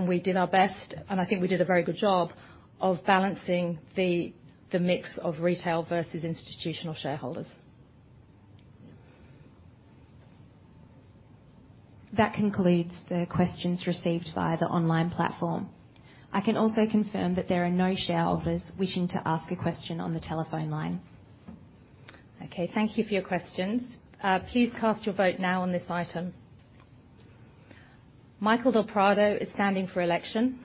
A: We did our best, and I think we did a very good job of balancing the mix of retail versus institutional shareholders.
C: That concludes the questions received via the online platform. I can also confirm that there are no shareholders wishing to ask a question on the telephone line.
A: Okay. Thank you for your questions. Please cast your vote now on this item. Michael del Prado is standing for election.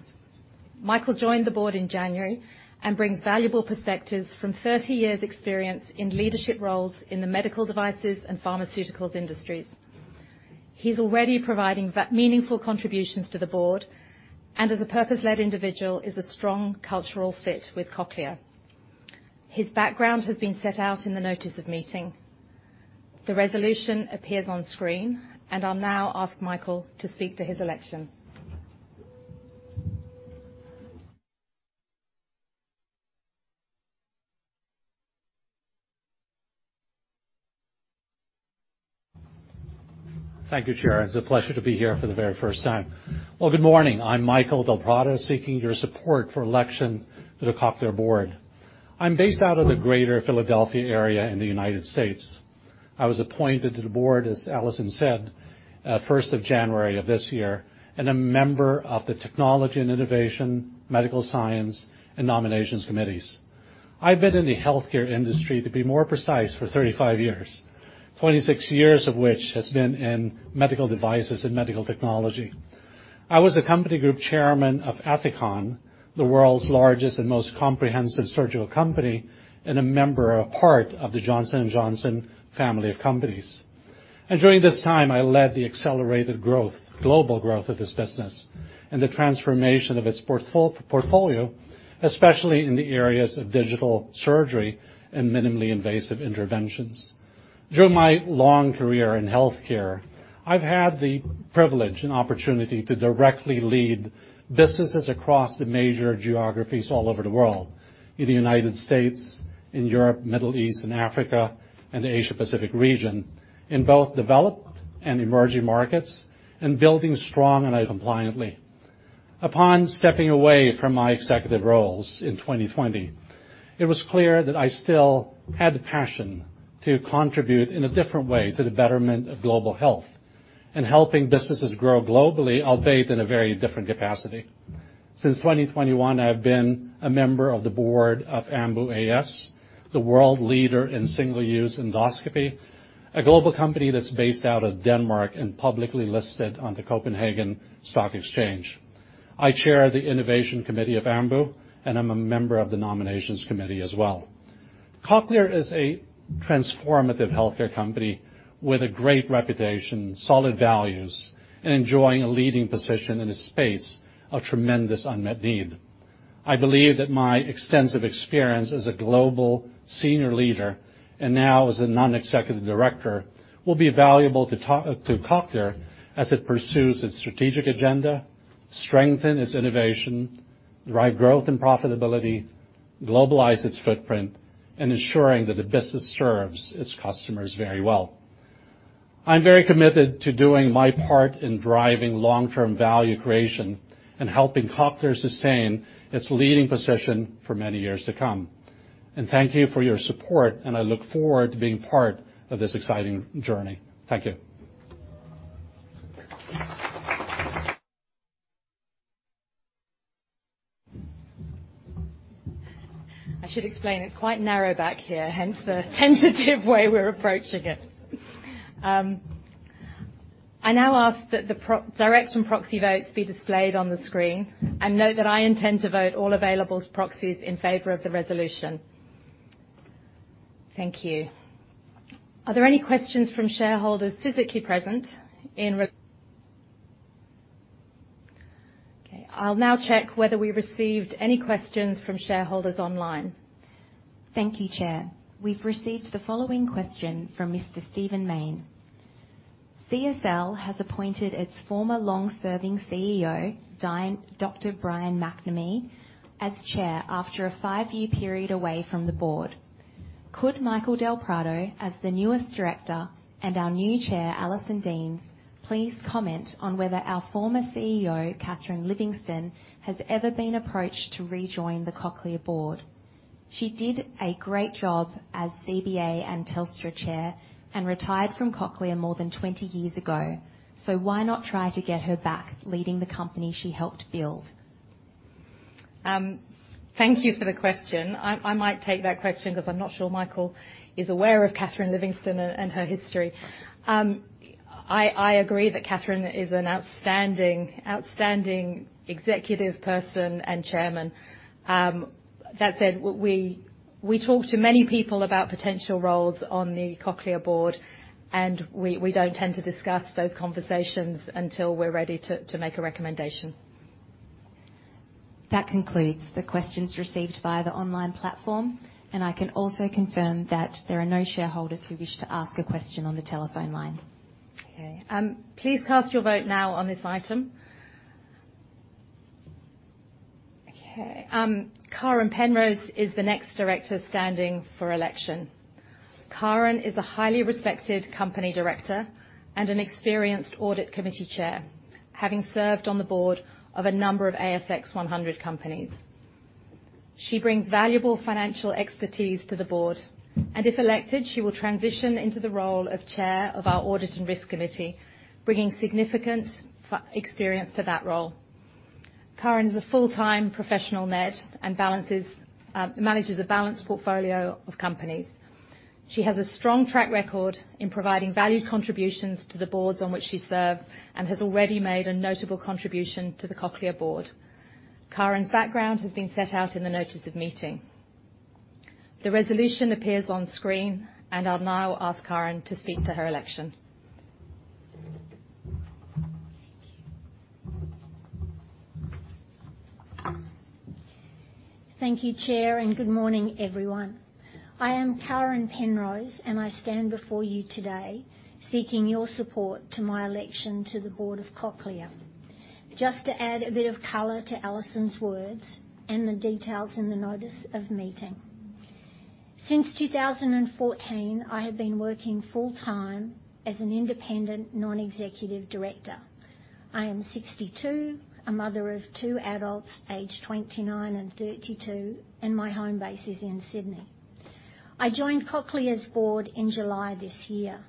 A: Michael joined the board in January and brings valuable perspectives from 30 years' experience in leadership roles in the medical devices and pharmaceuticals industries. He's already providing that meaningful contributions to the board and as a purpose-led individual is a strong cultural fit with Cochlear. His background has been set out in the notice of meeting. The resolution appears on screen, and I'll now ask Michael to speak to his election.
K: Thank you, Chair. It's a pleasure to be here for the very first time. Well, good morning. I'm Michael del Prado, seeking your support for election to the Cochlear board. I'm based out of the Greater Philadelphia area in the United States. I was appointed to the board, as Alison said, first of January of this year, and a member of the Technology and Innovation, Medical Science, and Nominations Committees. I've been in the healthcare industry, to be more precise, for 35 years. 26 years of which has been in medical devices and medical technology. I was a company group chairman of Ethicon, the world's largest and most comprehensive surgical company, and a member, a part of the Johnson & Johnson family of companies. During this time, I led the accelerated growth, global growth of this business and the transformation of its portfolio, especially in the areas of digital surgery and minimally invasive interventions. Through my long career in healthcare, I've had the privilege and opportunity to directly lead businesses across the major geographies all over the world, in the United States, in Europe, Middle East, and Africa, and the Asia Pacific region, in both developed and emerging markets and building strong and compliantly. Upon stepping away from my executive roles in 2020, it was clear that I still had the passion to contribute in a different way to the betterment of global health and helping businesses grow globally, albeit in a very different capacity. Since 2021, I've been a member of the board of Ambu A/S, the world leader in single-use endoscopy, a global company that's based out of Denmark and publicly listed on the Copenhagen Stock Exchange. I chair the Innovation Committee of Ambu, and I'm a member of the Nominations Committee as well. Cochlear is a transformative healthcare company with a great reputation, solid values, and enjoying a leading position in a space of tremendous unmet need. I believe that my extensive experience as a global senior leader, and now as a non-executive director, will be valuable to Cochlear as it pursues its strategic agenda, strengthen its innovation, drive growth and profitability, globalize its footprint, and ensuring that the business serves its customers very well. I'm very committed to doing my part in driving long-term value creation and helping Cochlear sustain its leading position for many years to come. Thank you for your support, and I look forward to being part of this exciting journey. Thank you.
A: I should explain, it's quite narrow back here, hence the tentative way we're approaching it. I now ask that the direct and proxy votes be displayed on the screen, and note that I intend to vote all available proxies in favor of the resolution. Thank you. Are there any questions from shareholders physically present? Okay, I'll now check whether we received any questions from shareholders online.
C: Thank you, Chair. We've received the following question from Mr. Steven Mayne. CSL has appointed its former long-serving CEO, Dr. Brian McNamee, as chair after a five-year period away from the board. Could Michael del Prado, as the newest director, and our new chair, Alison Deans, please comment on whether our former CEO, Catherine Livingstone, has ever been approached to rejoin the Cochlear board? She did a great job as CBA and Telstra chair and retired from Cochlear more than 20 years ago. Why not try to get her back leading the company she helped build?
A: Thank you for the question. I might take that question 'cause I'm not sure Michael is aware of Catherine Livingstone and her history. I agree that Catherine is an outstanding executive person and chairman. That said, we talk to many people about potential roles on the Cochlear board, and we don't tend to discuss those conversations until we're ready to make a recommendation.
C: That concludes the questions received via the online platform, and I can also confirm that there are no shareholders who wish to ask a question on the telephone line.
A: Please cast your vote now on this item. Karen Penrose is the next director standing for election. Karen is a highly respected company director and an experienced audit committee chair, having served on the board of a number of ASX 100 companies. She brings valuable financial expertise to the board, and if elected, she will transition into the role of chair of our Audit and Risk Committee, bringing significant experience to that role. Karen is a full-time professional NED and manages a balanced portfolio of companies. She has a strong track record in providing valued contributions to the boards on which she serves and has already made a notable contribution to the Cochlear board. Karen's background has been set out in the notice of meeting. The resolution appears on screen, and I'll now ask Karen to speak to her election.
L: Thank you. Thank you, Chair, and good morning, everyone. I am Karen Penrose, and I stand before you today seeking your support to my election to the board of Cochlear. Just to add a bit of color to Alison Deans's words and the details in the notice of meeting. Since 2014, I have been working full-time as an independent non-executive director. I am 62, a mother of two adults aged 29 and 32, and my home base is in Sydney. I joined Cochlear's board in July this year.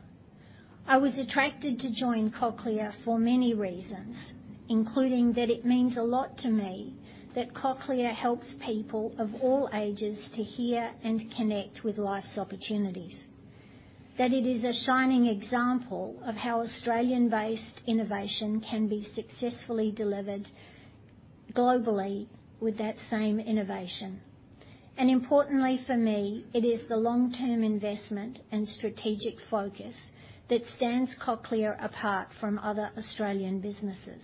L: I was attracted to join Cochlear for many reasons, including that it means a lot to me that Cochlear helps people of all ages to hear and connect with life's opportunities. That it is a shining example of how Australian-based innovation can be successfully delivered globally with that same innovation. Importantly for me, it is the long-term investment and strategic focus that stands Cochlear apart from other Australian businesses.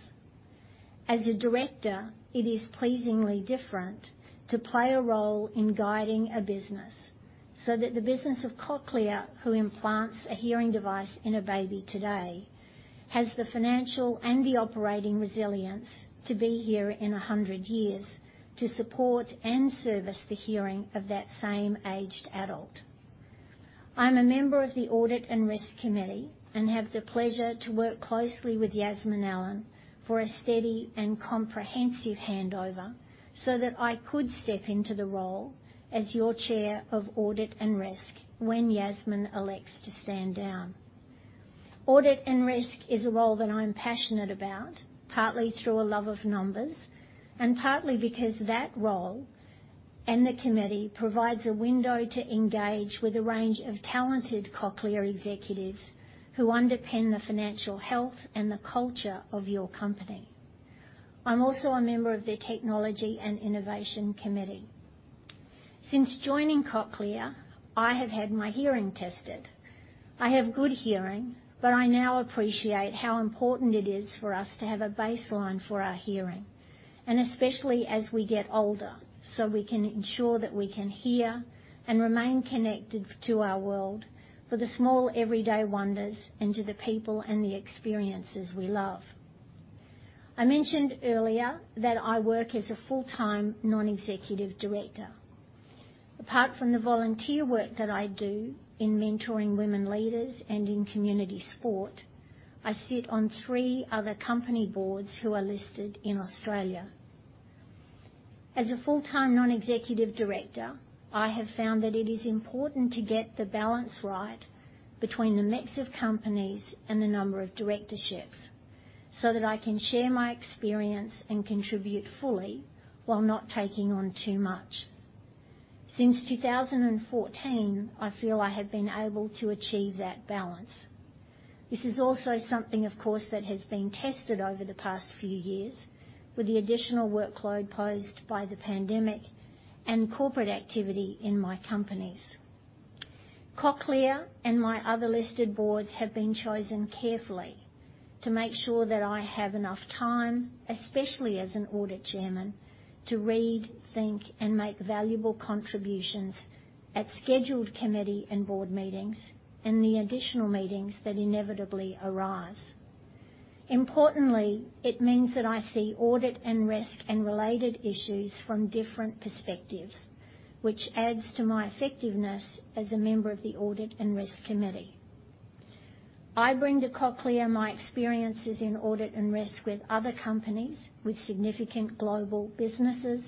L: As a director, it is pleasingly different to play a role in guiding a business so that the business of Cochlear, who implants a hearing device in a baby today, has the financial and the operating resilience to be here in 100 years to support and service the hearing of that same aged adult. I'm a member of the Audit and Risk Committee and have the pleasure to work closely with Yasmin Allen for a steady and comprehensive handover so that I could step into the role as your Chair of Audit and Risk when Yasmin elects to stand down. Audit and Risk is a role that I'm passionate about, partly through a love of numbers and partly because that role and the committee provides a window to engage with a range of talented Cochlear executives who underpin the financial health and the culture of your company. I'm also a member of their Technology and Innovation Committee. Since joining Cochlear, I have had my hearing tested. I have good hearing, but I now appreciate how important it is for us to have a baseline for our hearing, and especially as we get older, so we can ensure that we can hear and remain connected to our world for the small everyday wonders and to the people and the experiences we love. I mentioned earlier that I work as a full-time non-executive director. Apart from the volunteer work that I do in mentoring women leaders and in community sport, I sit on three other company boards who are listed in Australia. As a full-time non-executive director, I have found that it is important to get the balance right between the mix of companies and the number of directorships so that I can share my experience and contribute fully while not taking on too much. Since 2014, I feel I have been able to achieve that balance. This is also something, of course, that has been tested over the past few years with the additional workload posed by the pandemic and corporate activity in my companies. Cochlear and my other listed boards have been chosen carefully to make sure that I have enough time, especially as an audit chairman, to read, think, and make valuable contributions at scheduled committee and board meetings and the additional meetings that inevitably arise. Importantly, it means that I see audit and risk and related issues from different perspectives, which adds to my effectiveness as a member of the Audit and Risk Committee. I bring to Cochlear my experiences in audit and risk with other companies with significant global businesses,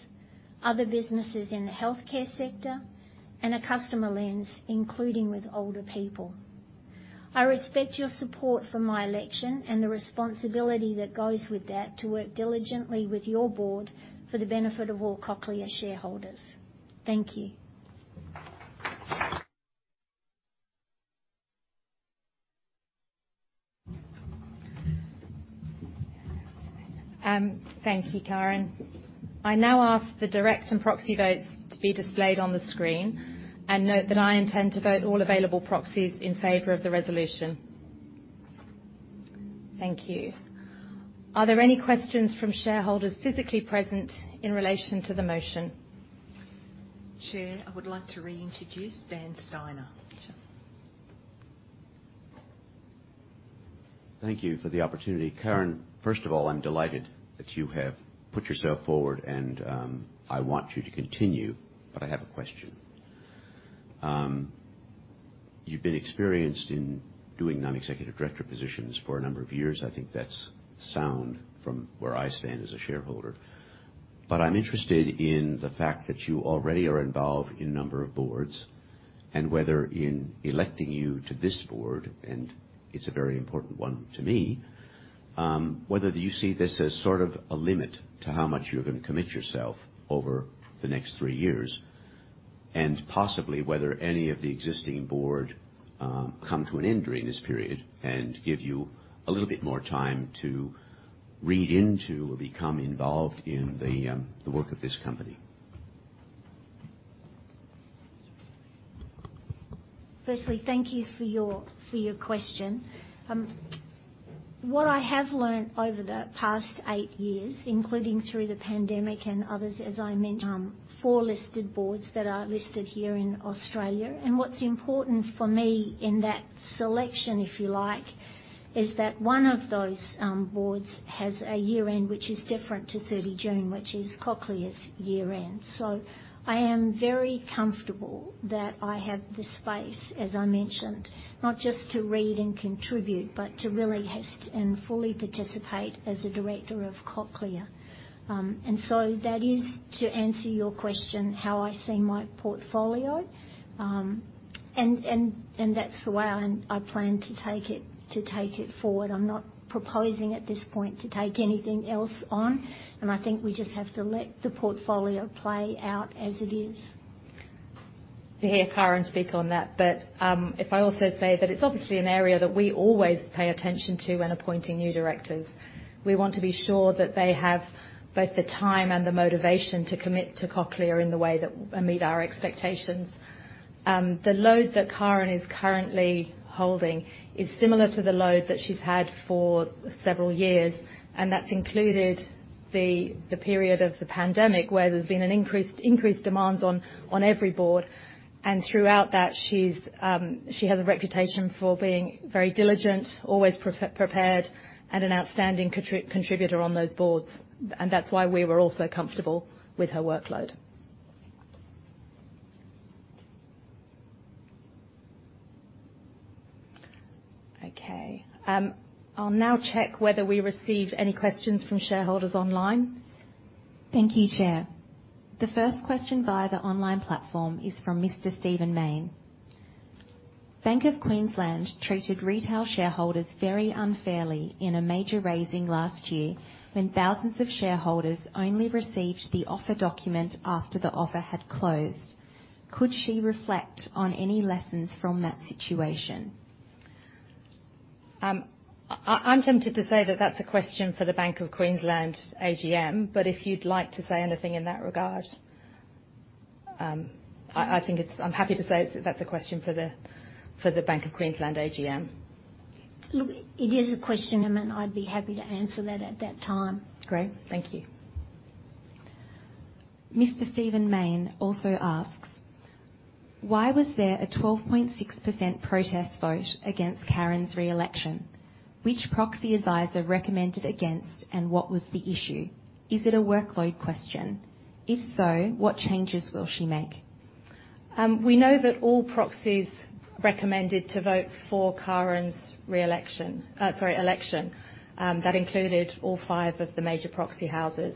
L: other businesses in the healthcare sector, and a customer lens, including with older people. I respect your support for my election and the responsibility that goes with that to work diligently with your board for the benefit of all Cochlear shareholders. Thank you.
A: Thank you, Karen. I now ask the direct and proxy votes to be displayed on the screen, and note that I intend to vote all available proxies in favor of the resolution. Thank you. Are there any questions from shareholders physically present in relation to the motion?
C: Chair, I would like to reintroduce Dan Steiner.
A: Sure.
H: Thank you for the opportunity. Karen, first of all, I'm delighted that you have put yourself forward and, I want you to continue, but I have a question. You've been experienced in doing non-executive director positions for a number of years. I think that's sound from where I stand as a shareholder, but I'm interested in the fact that you already are involved in a number of boards and whether in electing you to this board, and it's a very important one to me, whether you see this as sort of a limit to how much you're gonna commit yourself over the next three years, and possibly whether any of the existing board come to an end during this period and give you a little bit more time to read into or become involved in the work of this company.
L: Firstly, thank you for your question. What I have learned over the past eight years, including through the pandemic and others, as I mentioned, four listed boards that are listed here in Australia. What's important for me in that selection, if you like, is that one of those boards has a year-end which is different to 30 June, which is Cochlear's year-end. I am very comfortable that I have the space, as I mentioned, not just to read and contribute, but to really test and fully participate as a director of Cochlear. That is, to answer your question, how I see my portfolio. And that's the way I plan to take it forward. I'm not proposing at this point to take anything else on, and I think we just have to let the portfolio play out as it is.
A: To hear Karen speak on that, but if I also say that it's obviously an area that we always pay attention to when appointing new directors. We want to be sure that they have both the time and the motivation to commit to Cochlear in the way that meet our expectations. The load that Karen is currently holding is similar to the load that she's had for several years, and that's included the period of the pandemic, where there's been an increased demands on every board. Throughout that, she has a reputation for being very diligent, always prepared, and an outstanding contributor on those boards. That's why we were all so comfortable with her workload. Okay. I'll now check whether we received any questions from shareholders online.
C: Thank you, Chair. The first question via the online platform is from Mr. Steven Mayne. Bank of Queensland treated retail shareholders very unfairly in a major raising last year when thousands of shareholders only received the offer document after the offer had closed. Could she reflect on any lessons from that situation?
A: I'm tempted to say that that's a question for the Bank of Queensland AGM, but if you'd like to say anything in that regard. I'm happy to say that that's a question for the Bank of Queensland AGM.
L: Look, it is a question, and then I'd be happy to answer that at that time.
A: Great. Thank you.
C: Mr. Steven Mayne also asks: Why was there a 12.6% protest vote against Karen's re-election? Which proxy advisor recommended against, and what was the issue? Is it a workload question? If so, what changes will she make?
A: We know that all proxies recommended to vote for Karen's election. That included all five of the major proxy houses.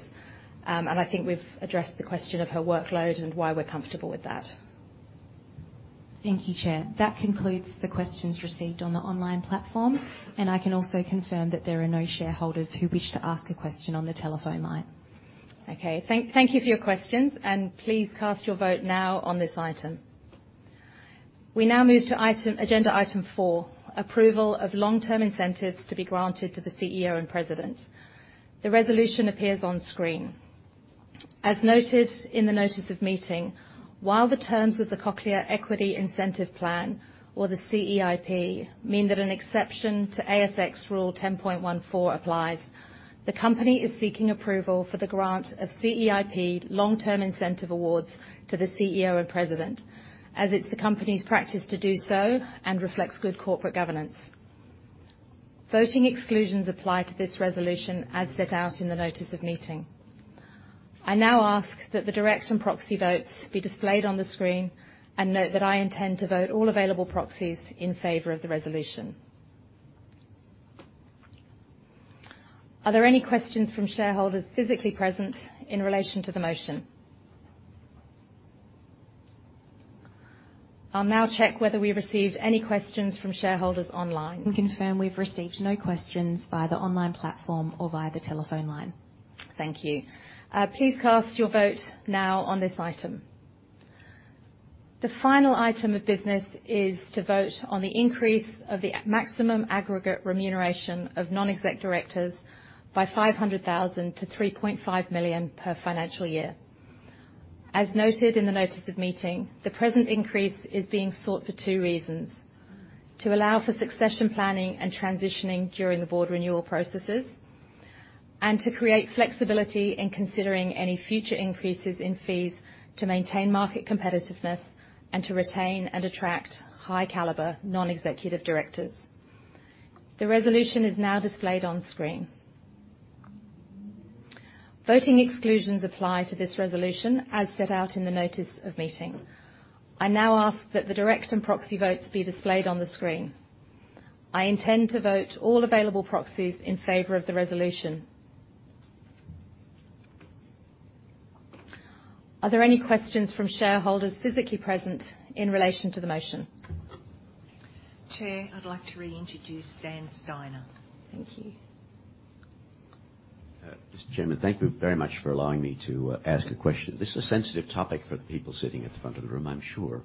A: I think we've addressed the question of her workload and why we're comfortable with that.
C: Thank you, Chair. That concludes the questions received on the online platform, and I can also confirm that there are no shareholders who wish to ask a question on the telephone line.
A: Okay. Thank you for your questions, and please cast your vote now on this item. We now move to agenda item four, approval of long-term incentives to be granted to the CEO and president. The resolution appears on screen. As noted in the notice of meeting, while the terms of the Cochlear Equity Incentive Plan or the CEIP mean that an exception to ASX Listing Rule 10.14 applies, the company is seeking approval for the grant of CEIP long-term incentive awards to the CEO and president, as it's the company's practice to do so and reflects good corporate governance. Voting exclusions apply to this resolution as set out in the notice of meeting. I now ask that the direct and proxy votes be displayed on the screen and note that I intend to vote all available proxies in favor of the resolution. Are there any questions from shareholders physically present in relation to the motion? I'll now check whether we received any questions from shareholders online.
C: We confirm we've received no questions via the online platform or via the telephone line.
A: Thank you. Please cast your vote now on this item. The final item of business is to vote on the increase of the maximum aggregate remuneration of non-exec directors by 500,000 to 3.5 million per financial year. As noted in the notice of meeting, the present increase is being sought for two reasons. To allow for succession planning and transitioning during the board renewal processes, and to create flexibility in considering any future increases in fees to maintain market competitiveness and to retain and attract high caliber non-executive directors. The resolution is now displayed on screen. Voting exclusions apply to this resolution as set out in the notice of meeting. I now ask that the direct and proxy votes be displayed on the screen. I intend to vote all available proxies in favor of the resolution. Are there any questions from shareholders physically present in relation to the motion?
C: Chair, I'd like to reintroduce Dan Steiner.
A: Thank you.
H: Chairman, thank you very much for allowing me to ask a question. This is a sensitive topic for the people sitting at the front of the room, I'm sure.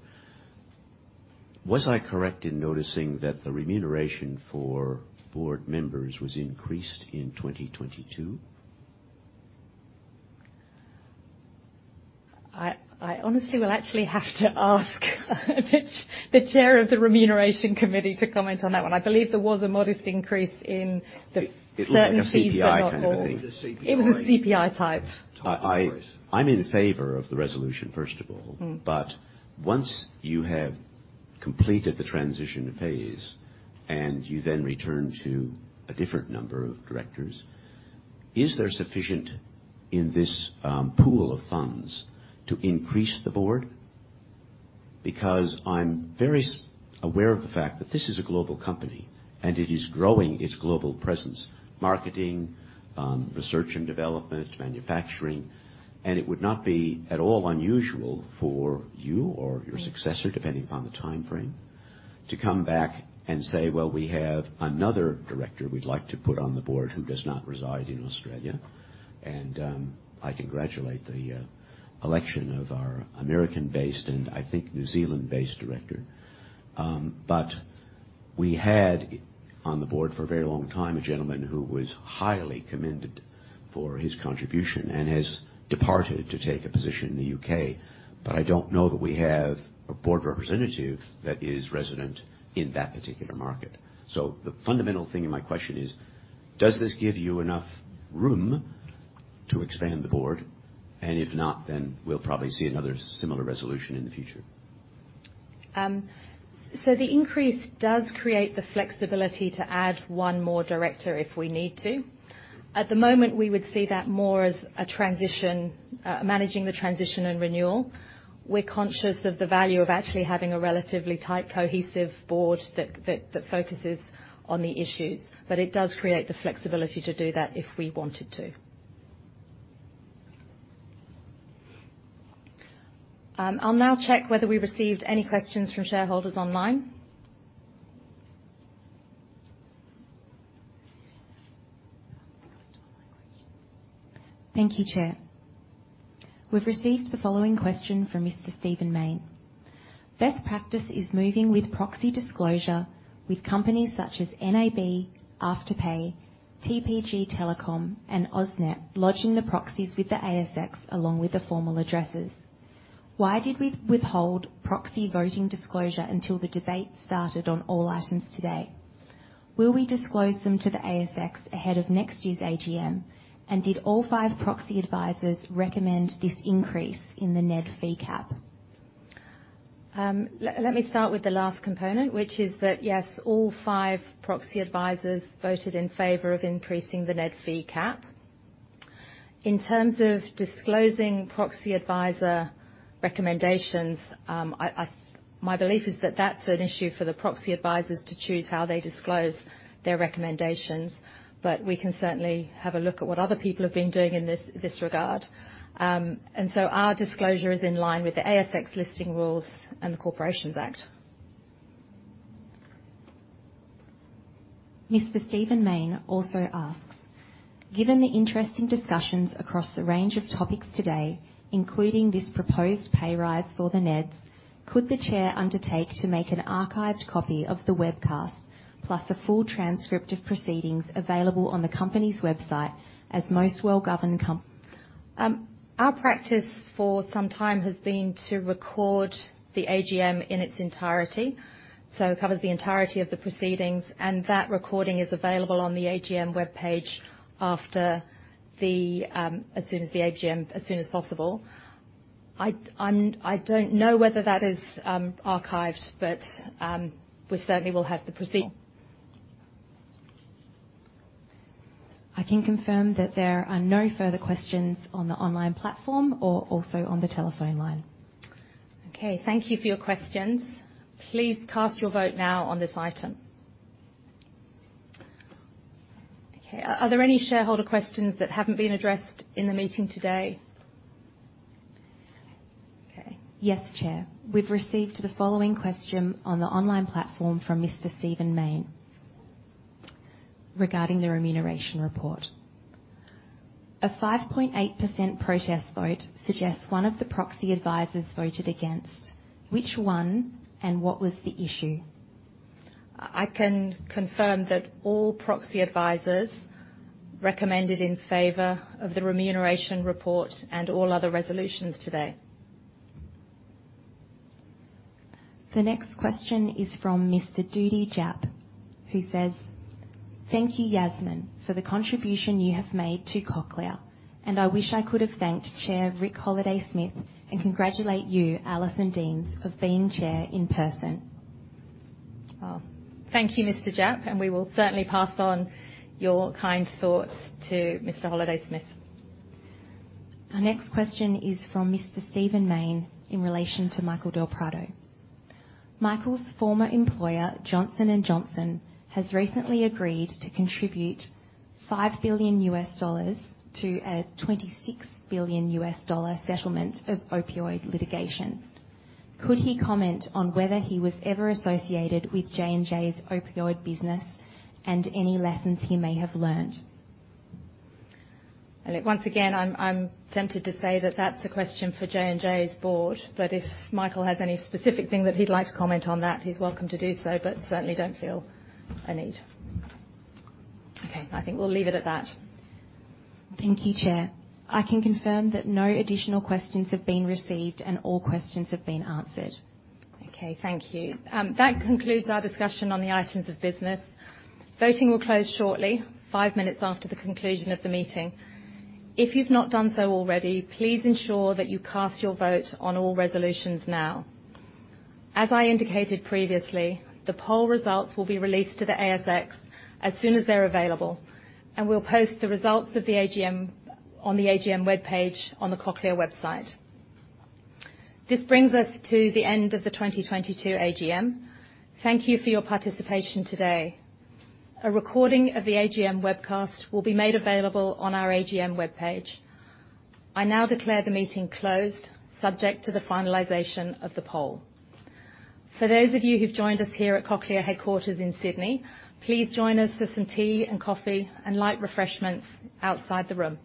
H: Was I correct in noticing that the remuneration for board members was increased in 2022?
A: I honestly will actually have to ask the chair of the Remuneration Committee to comment on that one. I believe there was a modest increase in the-
H: It looks like a CPI kind of thing.
C: It was a CPI.
A: It was a CPI type.
H: I'm in favor of the resolution, first of all.
A: Mm.
H: Once you have completed the transition phase, and you then return to a different number of directors, is there sufficient in this pool of funds to increase the board? Because I'm very aware of the fact that this is a global company, and it is growing its global presence, marketing, research and development, manufacturing. It would not be at all unusual for you or your successor, depending upon the timeframe, to come back and say, "Well, we have another director we'd like to put on the board who does not reside in Australia." I congratulate the election of our American-based, and I think New Zealand-based director. We had on the board for a very long time a gentleman who was highly commended for his contribution and has departed to take a position in the U.K. I don't know that we have a board representative that is resident in that particular market. The fundamental thing in my question is, does this give you enough room to expand the board? If not, then we'll probably see another similar resolution in the future.
A: The increase does create the flexibility to add one more director if we need to. At the moment, we would see that more as a transition, managing the transition and renewal. We're conscious of the value of actually having a relatively tight, cohesive board that focuses on the issues. It does create the flexibility to do that if we wanted to. I'll now check whether we received any questions from shareholders online.
C: Thank you, Chair. We've received the following question from Mr. Steven Mayne. Best practice is moving with proxy disclosure with companies such as NAB, Afterpay, TPG Telecom, and AusNet, lodging the proxies with the ASX along with the formal addresses. Why did we withhold proxy voting disclosure until the debate started on all items today? Will we disclose them to the ASX ahead of next year's AGM? And did all five proxy advisors recommend this increase in the NED fee cap?
A: Let me start with the last component, which is that, yes, all five proxy advisors voted in favor of increasing the NED fee cap. In terms of disclosing proxy advisor recommendations, my belief is that that's an issue for the proxy advisors to choose how they disclose their recommendations, but we can certainly have a look at what other people have been doing in this regard. Our disclosure is in line with the ASX Listing Rules and the Corporations Act.
C: Mr. Steven Mayne also asks, "Given the interesting discussions across a range of topics today, including this proposed pay raise for the NEDs, could the Chair undertake to make an archived copy of the webcast, plus a full transcript of proceedings available on the company's website as most well-governed com-
A: Our practice for some time has been to record the AGM in its entirety. It covers the entirety of the proceedings, and that recording is available on the AGM webpage after the AGM, as soon as possible. I don't know whether that is archived, but we certainly will have the proceed-
C: I can confirm that there are no further questions on the online platform or also on the telephone line.
A: Okay, thank you for your questions. Please cast your vote now on this item. Okay, are there any shareholder questions that haven't been addressed in the meeting today? Okay.
C: Yes, Chair. We've received the following question on the online platform from Mr. Steven Mayne regarding the remuneration report. "A 5.8% protest vote suggests one of the proxy advisors voted against. Which one, and what was the issue?
A: I can confirm that all proxy advisors recommended in favor of the remuneration report and all other resolutions today.
C: The next question is from Mr. Doody Japp, who says, "Thank you, Yasmin, for the contribution you have made to Cochlear, and I wish I could have thanked Chair Rick Holliday-Smith, and congratulate you, Alison Deans, for being Chair in person.
A: Oh, thank you, Mr. Doody Japp, and we will certainly pass on your kind thoughts to Mr. Holliday-Smith.
C: Our next question is from Mr. Steven Mayne in relation to Michael del Prado. "Michael's former employer, Johnson & Johnson, has recently agreed to contribute $5 billion to a $26 billion settlement of opioid litigation. Could he comment on whether he was ever associated with J&J's opioid business and any lessons he may have learned?
A: Once again, I'm tempted to say that that's a question for J&J's board, but if Michael has any specific thing that he'd like to comment on that, he's welcome to do so, but certainly don't feel I need. Okay, I think we'll leave it at that.
C: Thank you, Chair. I can confirm that no additional questions have been received and all questions have been answered.
A: Okay. Thank you. That concludes our discussion on the items of business. Voting will close shortly, five minutes after the conclusion of the meeting. If you've not done so already, please ensure that you cast your vote on all resolutions now. As I indicated previously, the poll results will be released to the ASX as soon as they're available, and we'll post the results of the AGM on the AGM webpage on the Cochlear website. This brings us to the end of the 2022 AGM. Thank you for your participation today. A recording of the AGM webcast will be made available on our AGM webpage. I now declare the meeting closed subject to the finalization of the poll. For those of you who've joined us here at Cochlear headquarters in Sydney, please join us for some tea and coffee and light refreshments outside the room.